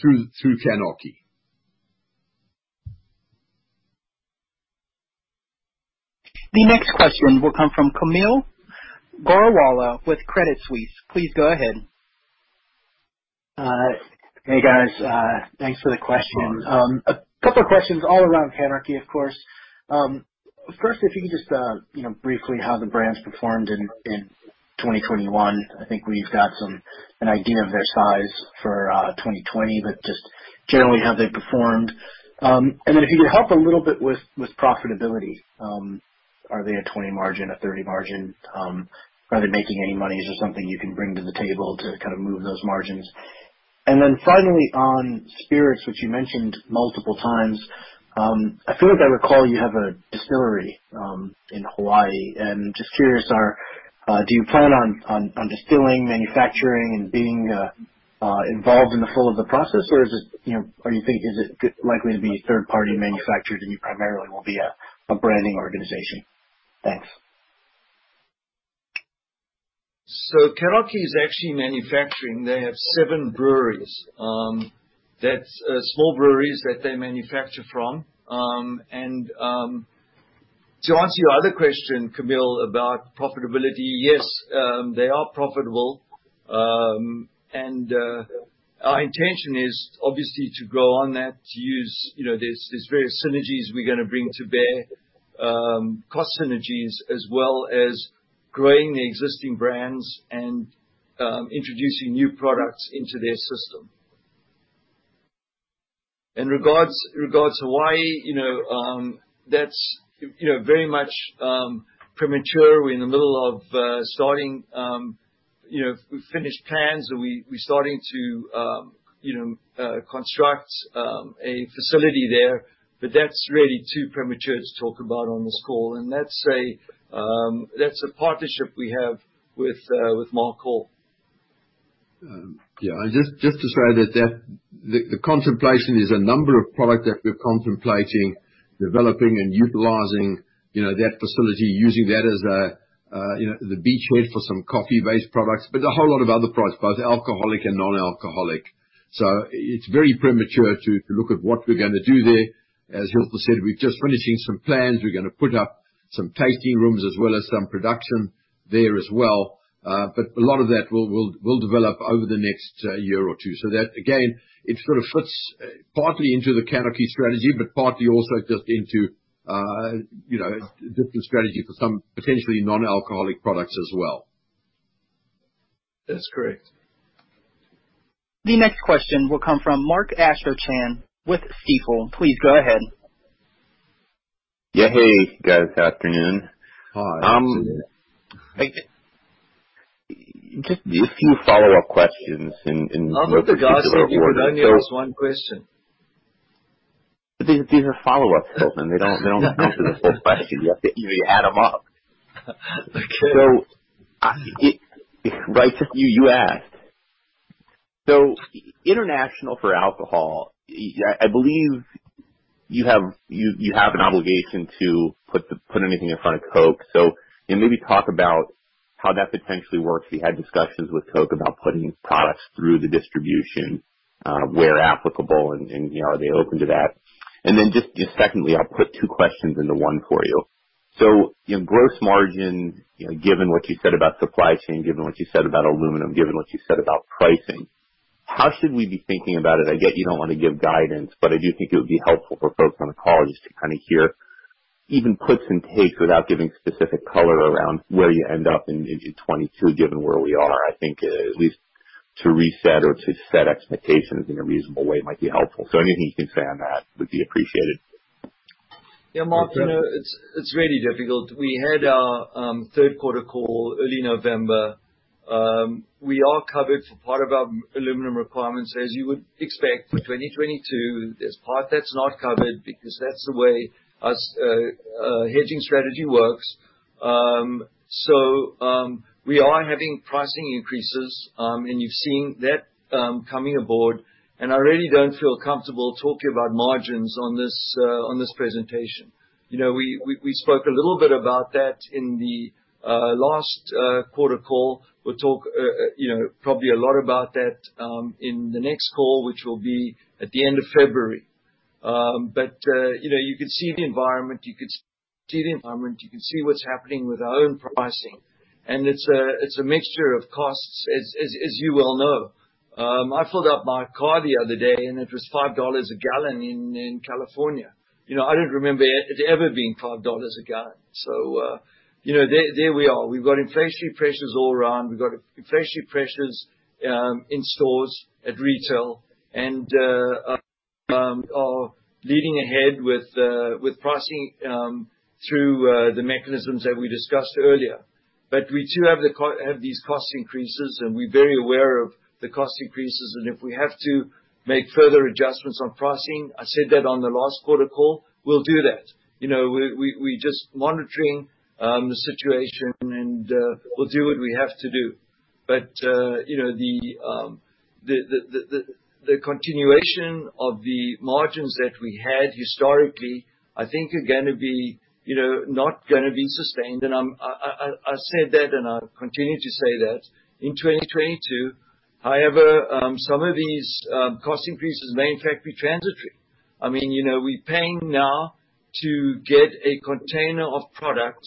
S3: through CANarchy.
S5: The next question will come from Kaumil Gajrawala with Credit Suisse. Please go ahead.
S9: Hey, guys. Thanks for the question.
S3: No problem.
S9: A couple of questions all around CANarchy, of course. First, if you could just, you know, briefly how the brands performed in 2021. I think we've got some idea of their size for 2020, but just generally how they performed. Then if you could help a little bit with profitability. Are they a 20% margin, a 30% margin? Are they making any money? Is there something you can bring to the table to kind of move those margins? Finally, on spirits, which you mentioned multiple times, I feel like I recall you have a distillery in Hawaii. Just curious, do you plan on distilling, manufacturing, and being involved in the full process, or is it, you know, or you think is it likely to be a third-party manufacturer that you primarily will be a branding organization? Thanks.
S2: CANarchy is actually manufacturing. They have seven breweries, that's small breweries that they manufacture from. To answer your other question, Kaumil, about profitability, yes, they are profitable. Our intention is obviously to grow on that, to use, you know, these various synergies we're gonna bring to bear, cost synergies, as well as growing the existing brands and introducing new products into their system. In regards to Hawaii, you know, that's very much premature. We're in the middle of starting, you know, we've finished plans, and we're starting to, you know, construct a facility there. But that's really too premature to talk about on this call. That's a partnership we have with Mark Hall.
S3: Just to say that the contemplation is a number of product that we're contemplating, developing, and utilizing, you know, that facility, using that as a, you know, the beachhead for some coffee-based products, but a whole lot of other products, both alcoholic and non-alcoholic. It's very premature to look at what we're gonna do there. As Hilton said, we're just finishing some plans. We're gonna put up some tasting rooms as well as some production there as well. A lot of that will develop over the next year or two. That, again, it sort of fits partly into the CANarchy strategy, but partly also just into, you know, different strategy for some potentially non-alcoholic products as well.
S2: That's correct.
S5: The next question will come from Mark Astrachan with Stifel. Please go ahead.
S10: Yeah. Hey, guys. Good afternoon.
S3: Hi.
S10: Just a few follow-up questions in the order.
S2: Oh, for God's sake. You can only ask one question.
S10: These are follow-ups, Hilton. They don't answer the full question. You have to add them up.
S2: Okay.
S10: Right, just you asked. International for alcohol, I believe you have an obligation to put anything in front of Coke. Can you maybe talk about how that potentially works? Have you had discussions with Coke about putting products through the distribution, where applicable, and, you know, are they open to that? Then just secondly, I'll put two questions into one for you. You know, gross margin, you know, given what you said about supply chain, given what you said about aluminum, given what you said about pricing, how should we be thinking about it? I get you don't want to give guidance, but I do think it would be helpful for folks on the call just to kind of hear even puts and takes without giving specific color around where you end up in 2022, given where we are. I think, at least to reset or to set expectations in a reasonable way might be helpful. Anything you can say on that would be appreciated.
S2: Yeah, Mark, you know, it's really difficult. We had our third quarter call early November. We are covered for part of our aluminum requirements, as you would expect for 2022. There's part that's not covered because that's the way hedging strategy works. We are having pricing increases, and you've seen that coming aboard. I really don't feel comfortable talking about margins on this presentation. You know, we spoke a little bit about that in the last quarter call. We'll talk, you know, probably a lot about that in the next call, which will be at the end of February. You know, you could see the environment, you can see what's happening with our own pricing. It's a mixture of costs, as you well know. I filled up my car the other day, and it was $5 a gallon in California. You know, I don't remember it ever being $5 a gallon. You know, there we are. We've got inflationary pressures all around. We've got inflationary pressures in stores at retail and leading ahead with pricing through the mechanisms that we discussed earlier. But we do have these cost increases, and we're very aware of the cost increases. If we have to make further adjustments on pricing, I said that on the last quarter call, we'll do that. You know, we're just monitoring the situation and we'll do what we have to do. The continuation of the margins that we had historically, I think are gonna be, you know, not gonna be sustained. I said that, and I'll continue to say that in 2022. However, some of these cost increases may in fact be transitory. I mean, you know, we're paying now to get a container of product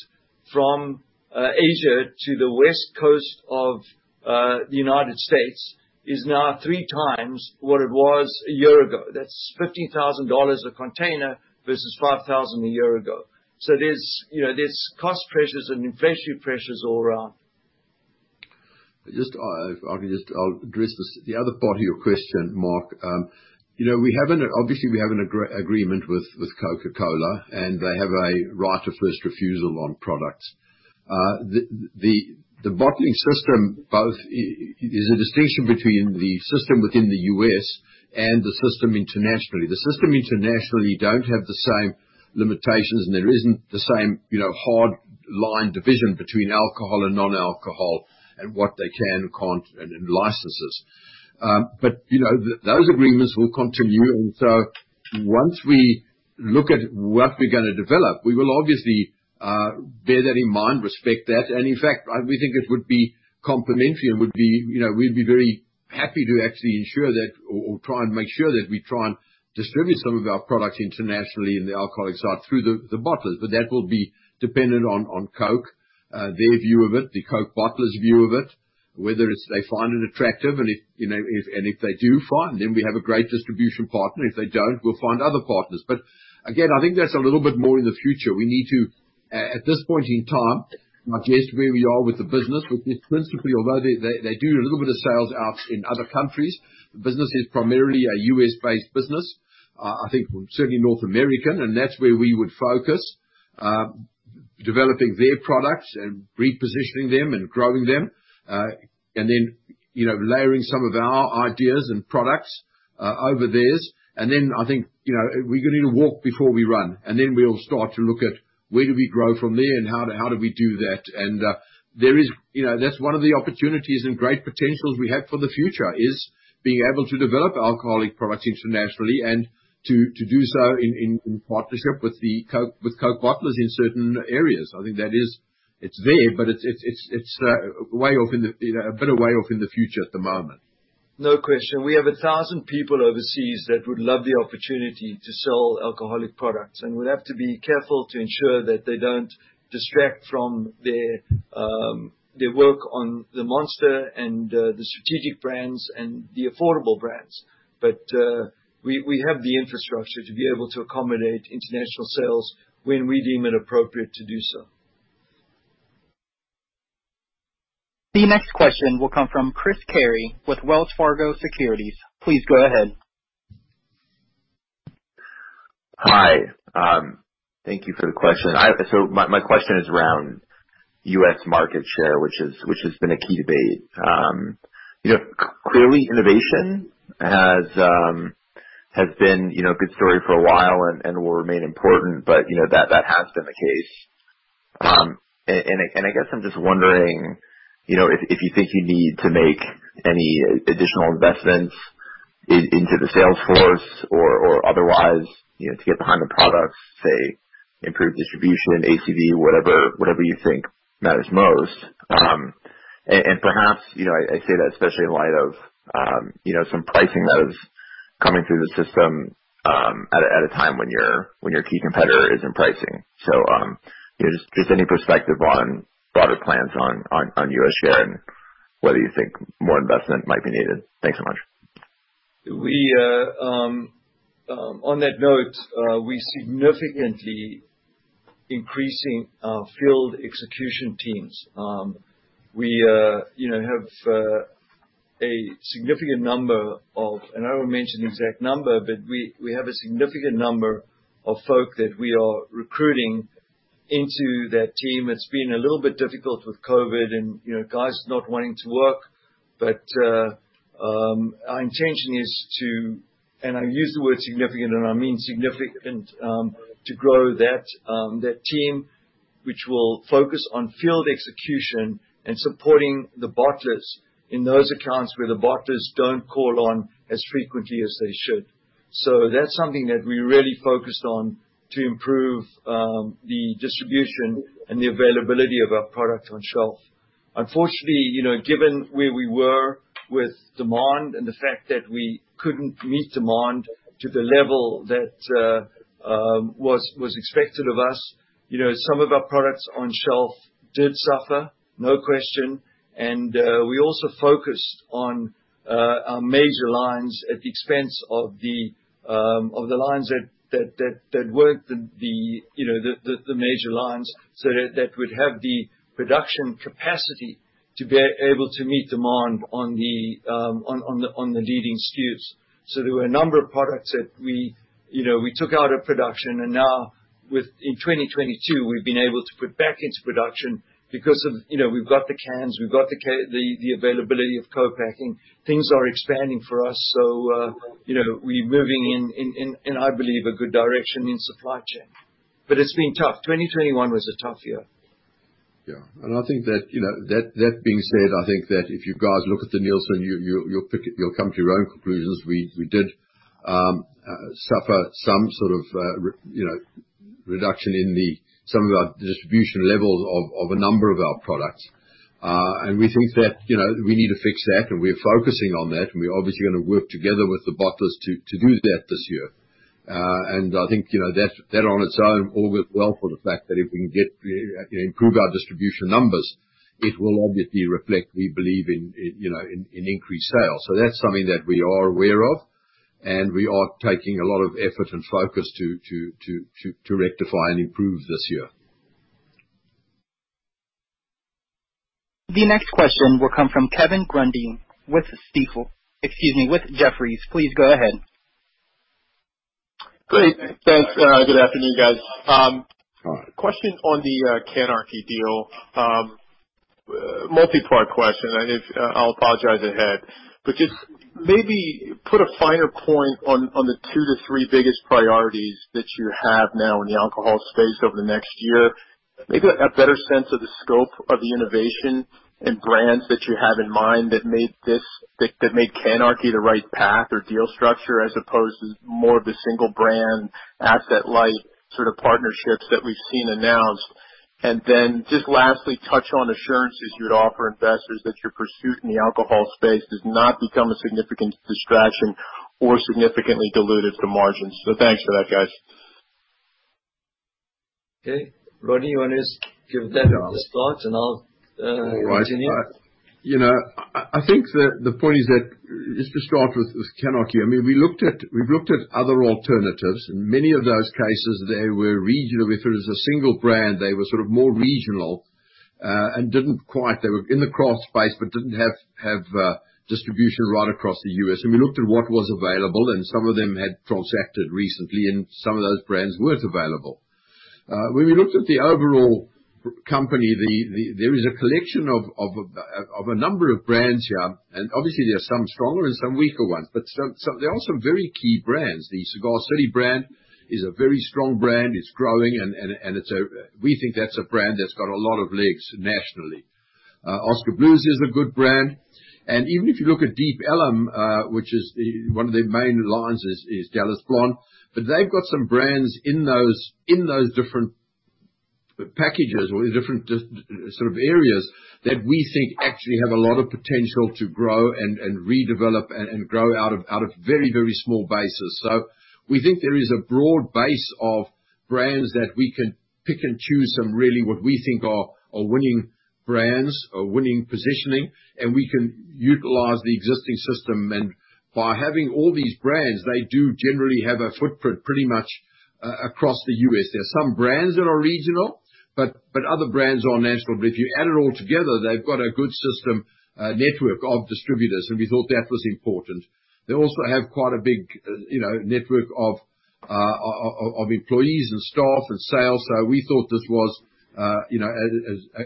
S2: from Asia to the West Coast of the United States is now three times what it was a year ago. That's $15,000 a container versus $5,000 a year ago. There's, you know, cost pressures and inflationary pressures all around.
S3: I'll address this, the other part of your question, Mark. You know, obviously, we have an agreement with Coca-Cola, and they have a right of first refusal on products. There's a distinction between the system within the U.S. and the system internationally. The system internationally don't have the same limitations, and there isn't the same, you know, hard line division between alcohol and non-alcohol and what they can and can't and licenses. But, you know, those agreements will continue. Once we look at what we're gonna develop, we will obviously bear that in mind, respect that. In fact, we think it would be complementary and would be, you know. We'd be very happy to actually ensure that or try and make sure that we try and distribute some of our products internationally in the alcoholic side through the bottlers. That will be dependent on Coke their view of it, the Coke bottlers' view of it, whether they find it attractive. If you know, if they do, fine, then we have a great distribution partner. If they don't, we'll find other partners. Again, I think that's a little bit more in the future. We need to at this point in time, I guess where we are with the business, which is principally although they do a little bit of sales out in other countries, the business is primarily a U.S.-based business. I think certainly North American, and that's where we would focus, developing their products and repositioning them and growing them, and then, you know, layering some of our ideas and products over theirs. I think, you know, we're gonna need to walk before we run, and then we'll start to look at where do we grow from there and how do we do that. There is. You know, that's one of the opportunities and great potentials we have for the future, is being able to develop alcoholic products internationally and to do so in partnership with the Coke, with Coke bottlers in certain areas. I think that is. It's there, but it's way off in the, you know, a bit way off in the future at the moment.
S2: No question. We have 1,000 people overseas that would love the opportunity to sell alcoholic products, and we'll have to be careful to ensure that they don't distract from their work on the Monster and the strategic brands and the affordable brands. We have the infrastructure to be able to accommodate international sales when we deem it appropriate to do so.
S5: The next question will come from Chris Carey with Wells Fargo Securities. Please go ahead.
S11: Hi. Thank you for the question. My question is around U.S. market share, which has been a key debate. You know, clearly innovation has been a good story for a while and will remain important, but you know, that has been the case. I guess I'm just wondering, you know, if you think you need to make any additional investments into the sales force or otherwise, you know, to get behind the products, say, improve distribution, ACV, whatever you think matters most. Perhaps, you know, I say that especially in light of some pricing that is coming through the system, at a time when your key competitor is in pricing. You know, just any perspective on broader plans on U.S. share and whether you think more investment might be needed. Thanks so much.
S2: On that note, we significantly increasing our field execution teams. We you know have a significant number and I won't mention the exact number, but we have a significant number of folks that we are recruiting into that team. It's been a little bit difficult with COVID and, you know, guys not wanting to work. Our intention is to, I use the word significant, and I mean significant, to grow that team, which will focus on field execution and supporting the bottlers in those accounts where the bottlers don't call on as frequently as they should. That's something that we really focused on to improve the distribution and the availability of our product on shelf. Unfortunately, you know, given where we were with demand and the fact that we couldn't meet demand to the level that was expected of us, you know, some of our products on shelf did suffer, no question. We also focused on our major lines at the expense of the lines that weren't the, you know, the major lines. That would have the production capacity to be able to meet demand on the leading SKUs. There were a number of products that we, you know, we took out of production. Now in 2022, we've been able to put back into production because of, you know, we've got the cans, the availability of co-packing. Things are expanding for us. You know, we're moving in, I believe, a good direction in supply chain. It's been tough. 2021 was a tough year.
S3: Yeah. I think that, you know, that being said, I think that if you guys look at the Nielsen, you'll pick it. You'll come to your own conclusions. We did suffer some sort of, you know, reduction in some of our distribution levels of a number of our products. We think that, you know, we need to fix that, and we're focusing on that, and we're obviously gonna work together with the bottlers to do that this year. I think, you know, that on its own augurs well for the fact that if we can improve our distribution numbers, it will obviously reflect we believe in increased sales. That's something that we are aware of, and we are taking a lot of effort and focus to rectify and improve this year.
S5: The next question will come from Kevin Grundy with Jefferies. Please go ahead.
S12: Great. Thanks. Good afternoon, guys. Question on the CANarchy deal. Multi-part question, and I'll apologize ahead. But just maybe put a finer point on the two to three biggest priorities that you have now in the alcohol space over the next year. Maybe a better sense of the scope of the innovation and brands that you have in mind that made this that made CANarchy the right path or deal structure, as opposed to more of a single brand, asset-light sort of partnerships that we've seen announced. And then just lastly, touch on assurances you'd offer investors that your pursuit in the alcohol space does not become a significant distraction or significantly dilutive to margins. Thanks for that, guys.
S2: Okay. Rodney, you wanna just give that the start, and I'll continue.
S3: All right. You know, I think the point is that just to start with CANarchy, I mean, we've looked at other alternatives. In many of those cases, they were regional. If it was a single brand, they were sort of more regional, and didn't quite. They were in the craft space but didn't have distribution right across the U.S. We looked at what was available, and some of them had transacted recently, and some of those brands weren't available. When we looked at the overall company, there is a collection of a number of brands here, and obviously there are some stronger and some weaker ones. But some. There are some very key brands. The Cigar City brand is a very strong brand. It's growing, and it's a. We think that's a brand that's got a lot of legs nationally. Oskar Blues is a good brand. Even if you look at Deep Ellum, which is one of the main lines, Dallas Blonde. They've got some brands in those different packages or in different sort of areas that we think actually have a lot of potential to grow and redevelop and grow out of very small bases. We think there is a broad base of brands that we can pick and choose some really what we think are winning brands or winning positioning, and we can utilize the existing system. By having all these brands, they do generally have a footprint pretty much across the U.S. There are some brands that are regional, but other brands are national. If you add it all together, they've got a good system, network of distributors, and we thought that was important. They also have quite a big, you know, network of employees and staff and sales. We thought this was, you know,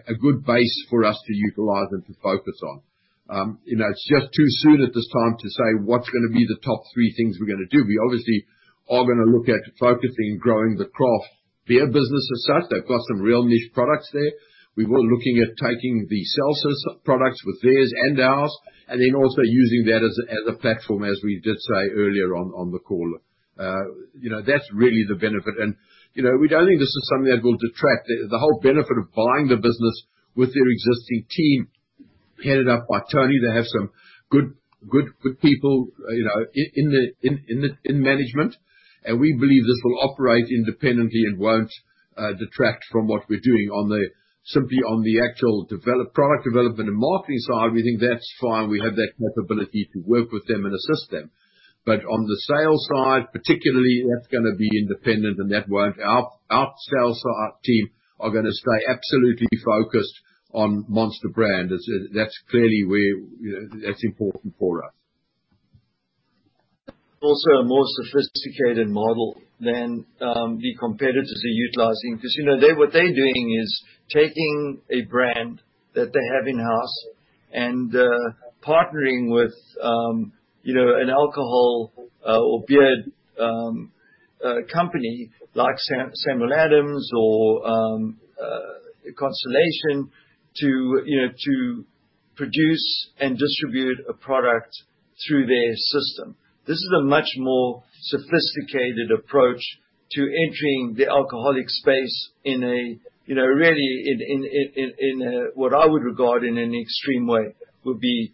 S3: a good base for us to utilize and to focus on. You know, it's just too soon at this time to say what's gonna be the top three things we're gonna do. We obviously are gonna look at focusing, growing the craft beer business as such. They've got some real niche products there. We're looking at taking the Celsius products with theirs and ours, and then also using that as a platform, as we did say earlier on the call. You know, that's really the benefit. You know, we don't think this is something that will detract. The whole benefit of buying the business with their existing team, headed up by Tony. They have some good people, you know, in management. We believe this will operate independently and won't detract from what we're doing. Simply on the actual product development and marketing side, we think that's fine. We have that capability to work with them and assist them. On the sales side particularly, that's gonna be independent, and that won't. Our sales side team are gonna stay absolutely focused on Monster brand. That's clearly where, you know, that's important for us.
S2: Also a more sophisticated model than the competitors are utilizing. Because, you know, what they're doing is taking a brand that they have in-house and partnering with, you know, an alcohol or beer company like Samuel Adams or Constellation to, you know, to produce and distribute a product through their system. This is a much more sophisticated approach to entering the alcoholic space in a, you know, really in a what I would regard in an extreme way. We'll be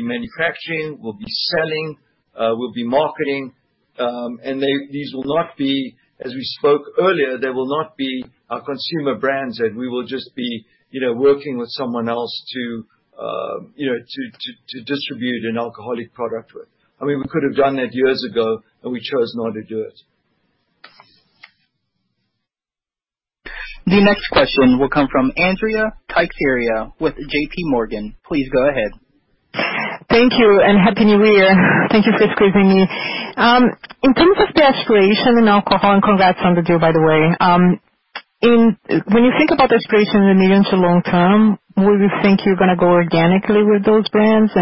S2: manufacturing, we'll be selling, we'll be marketing, and these will not be. As we spoke earlier, they will not be our consumer brands, that we will just be, you know, working with someone else to, you know, to distribute an alcoholic product with. I mean, we could have done that years ago, and we chose not to do it.
S5: The next question will come from Andrea Teixeira with JPMorgan. Please go ahead.
S13: Thank you, Happy New Year. Thank you for squeezing me. In terms of the aspirations in alcohol, congrats on the deal, by the way. When you think about aspirations in the medium to long term, would you think you're gonna go organically with those brands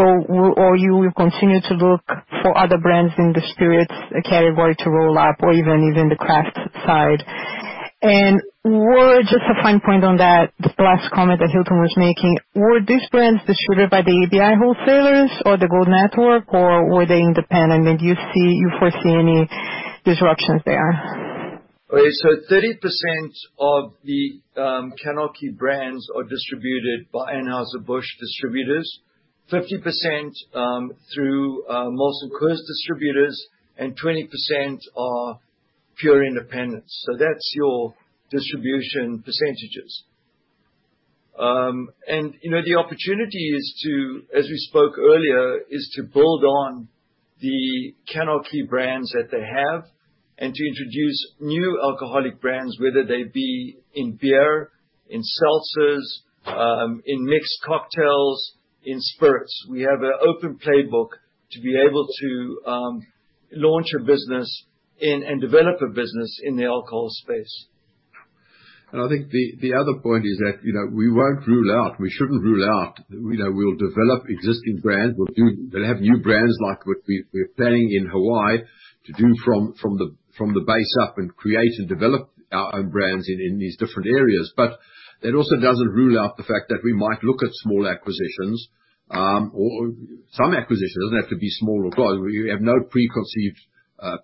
S13: or you will continue to look for other brands in the spirits category to roll up or even the craft side? Just a fine point on that, the last comment that Hilton was making. Were these brands distributed by the ABI wholesalers or the Gold Network, or were they independent? Do you foresee any disruptions there?
S2: Okay. 30% of the CANarchy brands are distributed by Anheuser-Busch distributors, 50% through Molson Coors distributors, and 20% are pure independents. That's your distribution percentages. You know, the opportunity is to, as we spoke earlier, build on the CANarchy brands that they have and to introduce new alcoholic brands, whether they be in beer, in seltzers, in mixed cocktails, in spirits. We have an open playbook to be able to launch a business and develop a business in the alcohol space.
S3: I think the other point is that, you know, we won't rule out, we shouldn't rule out. You know, we'll develop existing brands. We'll have new brands like what we're planning in Hawaii to do from the base up and create and develop our own brands in these different areas. But that also doesn't rule out the fact that we might look at small acquisitions, or some acquisition. It doesn't have to be small or large. We have no preconceived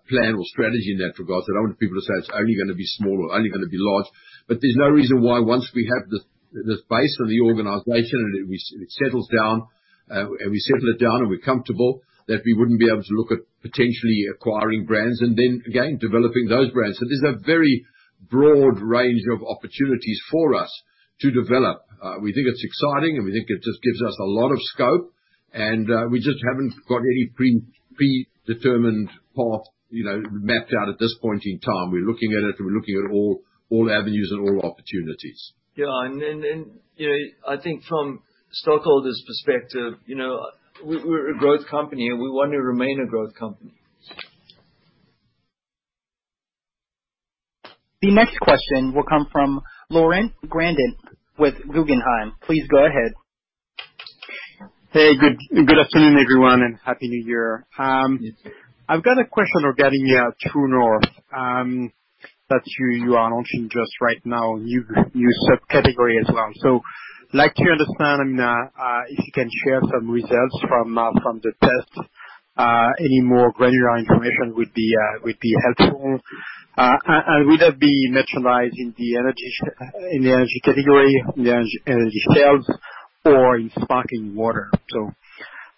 S3: plan or strategy in that regard. So I don't want people to say it's only gonna be small or only gonna be large. There's no reason why once we have the base of the organization and it settles down, and we settle it down and we're comfortable, that we wouldn't be able to look at potentially acquiring brands and then again, developing those brands. There's a very broad range of opportunities for us to develop. We think it's exciting, and we think it just gives us a lot of scope. We just haven't got any predetermined path, you know, mapped out at this point in time. We're looking at it. We're looking at all avenues and all opportunities.
S2: You know, I think from stockholders' perspective, you know, we're a growth company, and we want to remain a growth company.
S5: The next question will come from Laurent Grandet with Guggenheim. Please go ahead.
S14: Hey, good afternoon, everyone, and Happy New Year. I've got a question regarding True North that you are launching just right now, new subcategory as well. Like to understand if you can share some results from the test. Any more granular information would be helpful. And would that be merchandised in the energy category, in the energy sales or in sparkling water?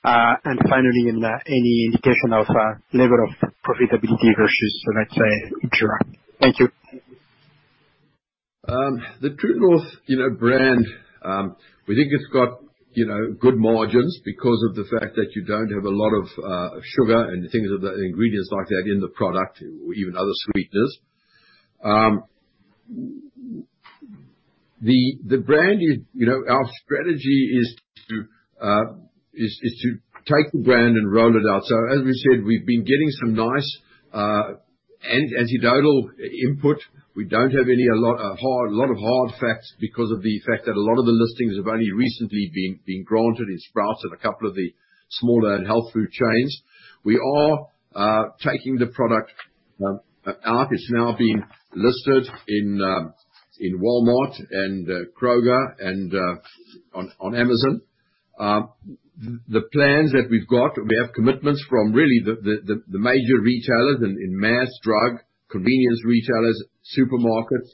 S14: And finally, any indication of level of profitability versus, let's say, True North. Thank you.
S3: The True North, you know, brand, we think it's got, you know, good margins because of the fact that you don't have a lot of sugar and things of the ingredients like that in the product or even other sweeteners. The brand, you know, our strategy is to take the brand and roll it out. As we said, we've been getting some nice anecdotal input. We don't have a lot of hard facts because of the fact that a lot of the listings have only recently been granted. It's started in a couple of the smaller and health food chains. We are taking the product out. It's now being listed in Walmart and Kroger and on Amazon. The plans that we've got, we have commitments from really the major retailers in mass drug, convenience retailers, supermarkets,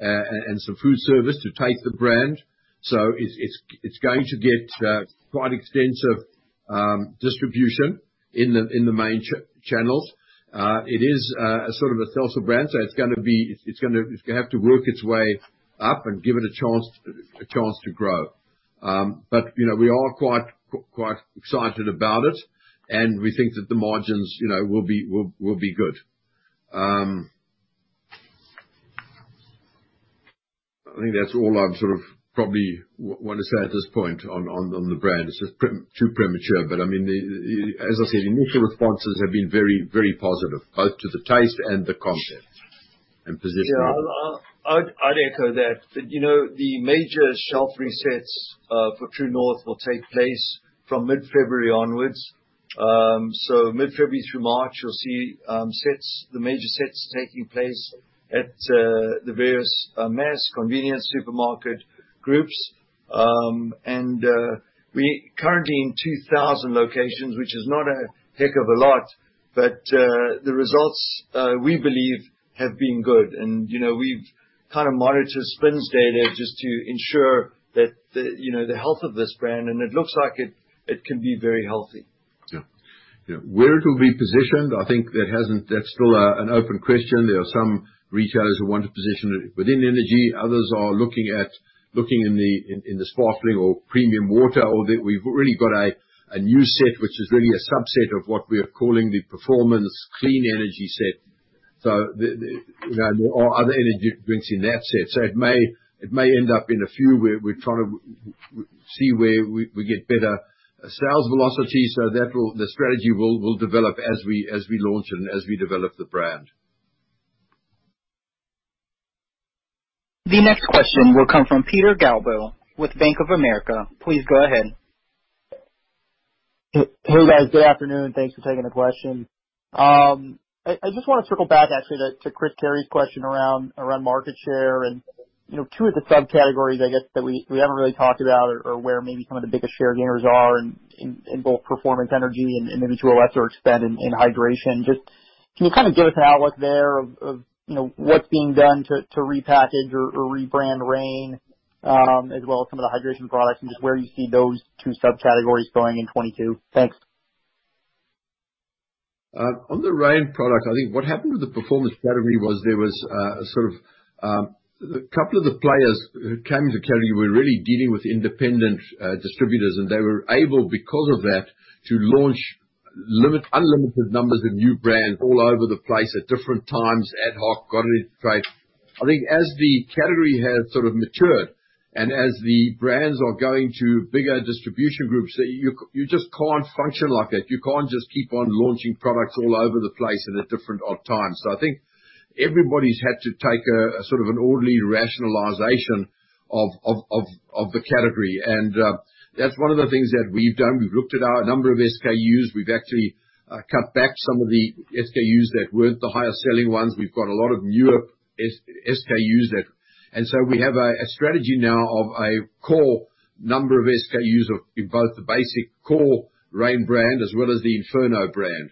S3: and some food service to take the brand. It's going to get quite extensive distribution in the main channels. It is a sort of a seltzer brand, so it's gonna have to work its way up and give it a chance to grow. You know, we are quite excited about it, and we think that the margins, you know, will be good. I think that's all I've sort of probably wanna say at this point on the brand. It's just too premature. I mean, the. As I said, initial responses have been very, very positive, both to the taste and the concept and positioning.
S2: Yeah. I'd echo that. You know, the major shelf resets for True North will take place from mid-February onwards. Mid-February through March, you'll see the major sets taking place at the various mass convenience supermarket groups. We're currently in 2,000 locations, which is not a heck of a lot, but the results we believe have been good. You know, we've kinda monitored SPINS data just to ensure that you know the health of this brand, and it looks like it can be very healthy.
S3: Yeah. Yeah. Where it'll be positioned, I think that hasn't. That's still an open question. There are some retailers who want to position it within energy. Others are looking in the sparkling or premium water, or we've already got a new set, which is really a subset of what we are calling the performance clean energy set. So, you know, or other energy drinks in that set. So it may end up in a few where we're trying to see where we get better sales velocity. So that will. The strategy will develop as we launch and as we develop the brand.
S5: The next question will come from Peter Galbo with Bank of America. Please go ahead.
S15: Hey, guys. Good afternoon. Thanks for taking the question. I just wanna circle back actually to Chris Carey's question around market share and, you know, two of the subcategories I guess that we haven't really talked about or where maybe some of the biggest share gainers are in both performance energy and individual effort spend in hydration. Just can you kind of give us an outlook there of, you know, what's being done to repackage or rebrand Reign, as well as some of the hydration products and just where you see those two subcategories going in 2022? Thanks.
S3: On the Reign product, I think what happened with the performance category was there was sort of a couple of the players who came to category were really dealing with independent distributors, and they were able, because of that, to launch unlimited numbers of new brands all over the place at different times, ad hoc, got it into trade. I think as the category has sort of matured, and as the brands are going to bigger distribution groups, that you just can't function like that. You can't just keep on launching products all over the place and at different odd times. I think everybody's had to take a sort of an orderly rationalization of the category. That's one of the things that we've done. We've looked at our number of SKUs. We've actually cut back some of the SKUs that weren't the highest selling ones. We've got a lot of newer SKUs. We have a strategy now of a core number of SKUs of both the basic core Reign brand as well as the Inferno brand.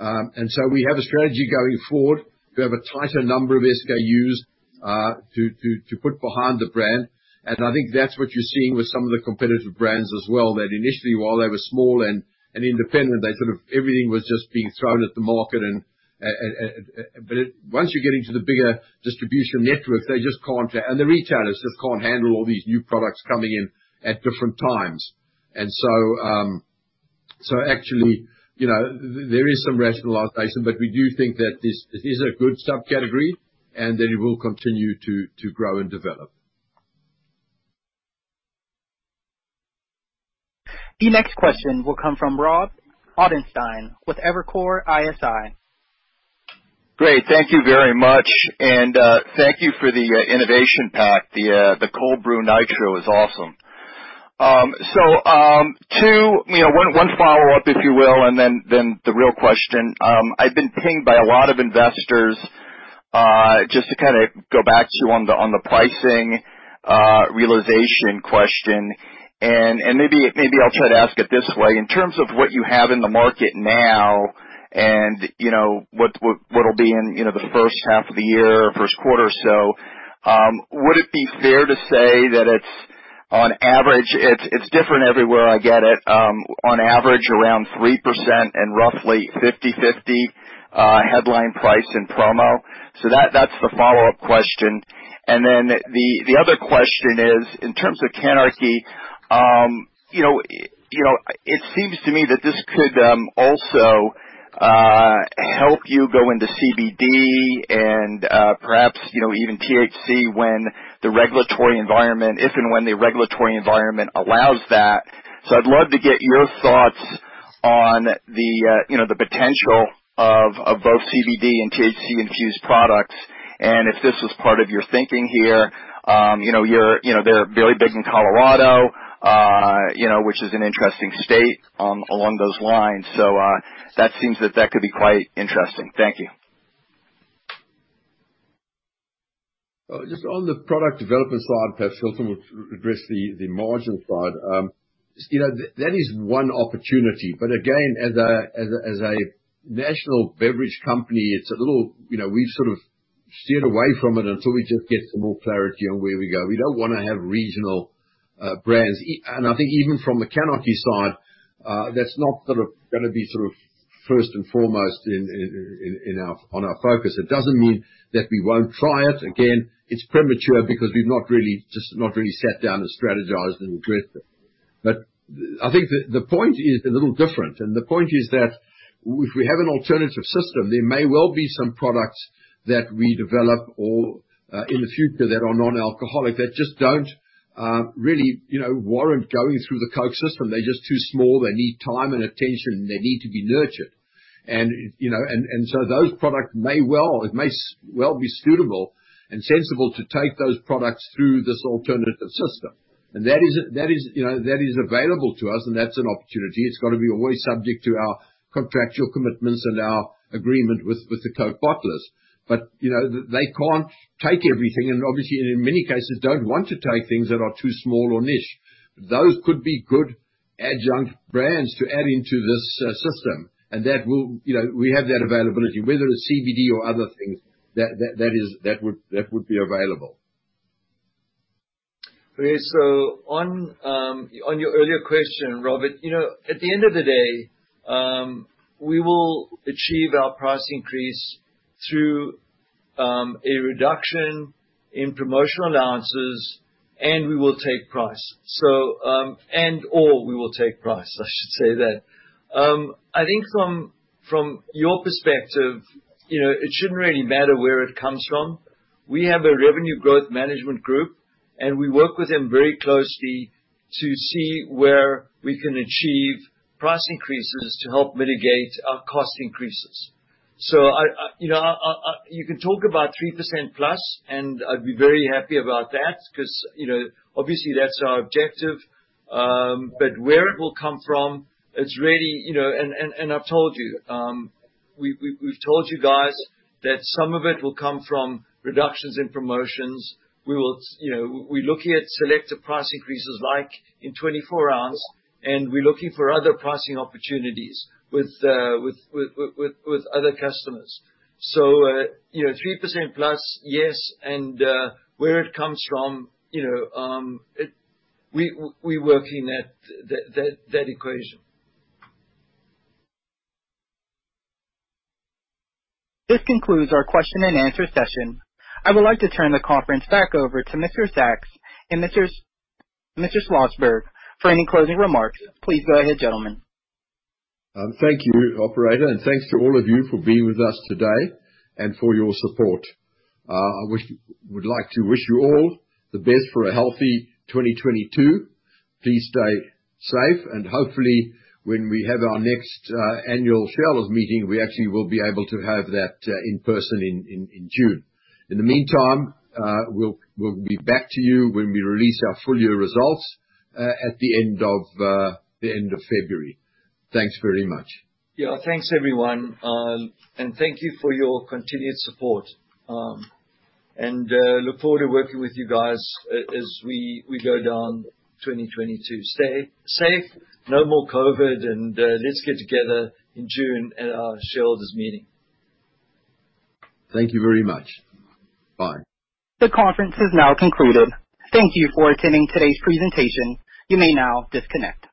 S3: We have a strategy going forward. We have a tighter number of SKUs to put behind the brand, and I think that's what you're seeing with some of the competitive brands as well. That initially, while they were small and independent, everything was just being thrown at the market, but once you get into the bigger distribution networks, they just can't, and the retailers just can't handle all these new products coming in at different times. Actually, you know, there is some rationalization, but we do think that this it is a good subcategory and that it will continue to grow and develop.
S5: The next question will come from Rob Ottenstein with Evercore ISI.
S16: Great. Thank you very much. Thank you for the innovation pack. The Cold Brew Nitro is awesome. So, two... you know, one follow-up, if you will, and then the real question. I've been pinged by a lot of investors, just to kinda go back to the pricing realization question and maybe I'll try to ask it this way. In terms of what you have in the market now and, you know, what'll be in, you know, the first half of the year, first quarter or so, would it be fair to say that it's on average. It's different everywhere I get it. On average around 3% and roughly 50/50, headline price and promo. That's the follow-up question. The other question is in terms of CANarchy. You know, it seems to me that this could also help you go into CBD and perhaps even THC if and when the regulatory environment allows that. I'd love to get your thoughts on the potential of both CBD and THC infused products and if this was part of your thinking here. You know, they're very big in Colorado, you know, which is an interesting state along those lines. That could be quite interesting. Thank you.
S3: Just on the product development side, perhaps Hilton will address the margin side. You know, that is one opportunity, but again, as a national beverage company, it's a little. You know, we've sort of steered away from it until we just get some more clarity on where we go. We don't wanna have regional brands. I think even from the CANarchy side, that's not sort of gonna be sort of first and foremost in our focus. It doesn't mean that we won't try it. Again, it's premature because we've not really sat down and strategized and addressed it. I think the point is a little different. The point is that if we have an alternative system, there may well be some products that we develop or in the future that are non-alcoholic that just don't really, you know, warrant going through the Coke system. They're just too small. They need time and attention, and they need to be nurtured. You know, so it may well be suitable and sensible to take those products through this alternative system. That is, you know, that is available to us, and that's an opportunity. It's gotta be always subject to our contractual commitments and our agreement with the Coke bottlers. You know, they can't take everything, and obviously, in many cases, don't want to take things that are too small or niche. Those could be good adjunct brands to add into this system. That will, you know, we have that availability, whether it's CBD or other things that would be available.
S2: Okay. On your earlier question, Robert, you know, at the end of the day, we will achieve our price increase through a reduction in promotional allowances, and we will take price. And/or we will take price, I should say that. I think from your perspective, you know, it shouldn't really matter where it comes from. We have a revenue growth management group, and we work with them very closely to see where we can achieve price increases to help mitigate our cost increases. You can talk about 3%+, and I'd be very happy about that 'cause, you know, obviously that's our objective. Where it will come from, it's really, you know. I've told you we've told you guys that some of it will come from reductions in promotions. We're looking at selective price increases like in 24-oz, and we're looking for other pricing opportunities with other customers. You know, 3%+, yes, and where it comes from, you know, we're working that equation.
S5: This concludes our question-and-answer session. I would like to turn the conference back over to Mr. Sacks and Mr. Schlosberg for any closing remarks. Please go ahead, gentlemen.
S3: Thank you, operator, and thanks to all of you for being with us today and for your support. I would like to wish you all the best for a healthy 2022. Please stay safe, and hopefully, when we have our next annual shareholders meeting, we actually will be able to have that in person in June. In the meantime, we'll be back to you when we release our full-year results at the end of February. Thanks very much.
S2: Yeah. Thanks, everyone. Thank you for your continued support. I look forward to working with you guys as we go down 2022. Stay safe. No more COVID. Let's get together in June at our shareholders' meeting.
S3: Thank you very much. Bye.
S5: The conference has now concluded. Thank you for attending today's presentation. You may now disconnect.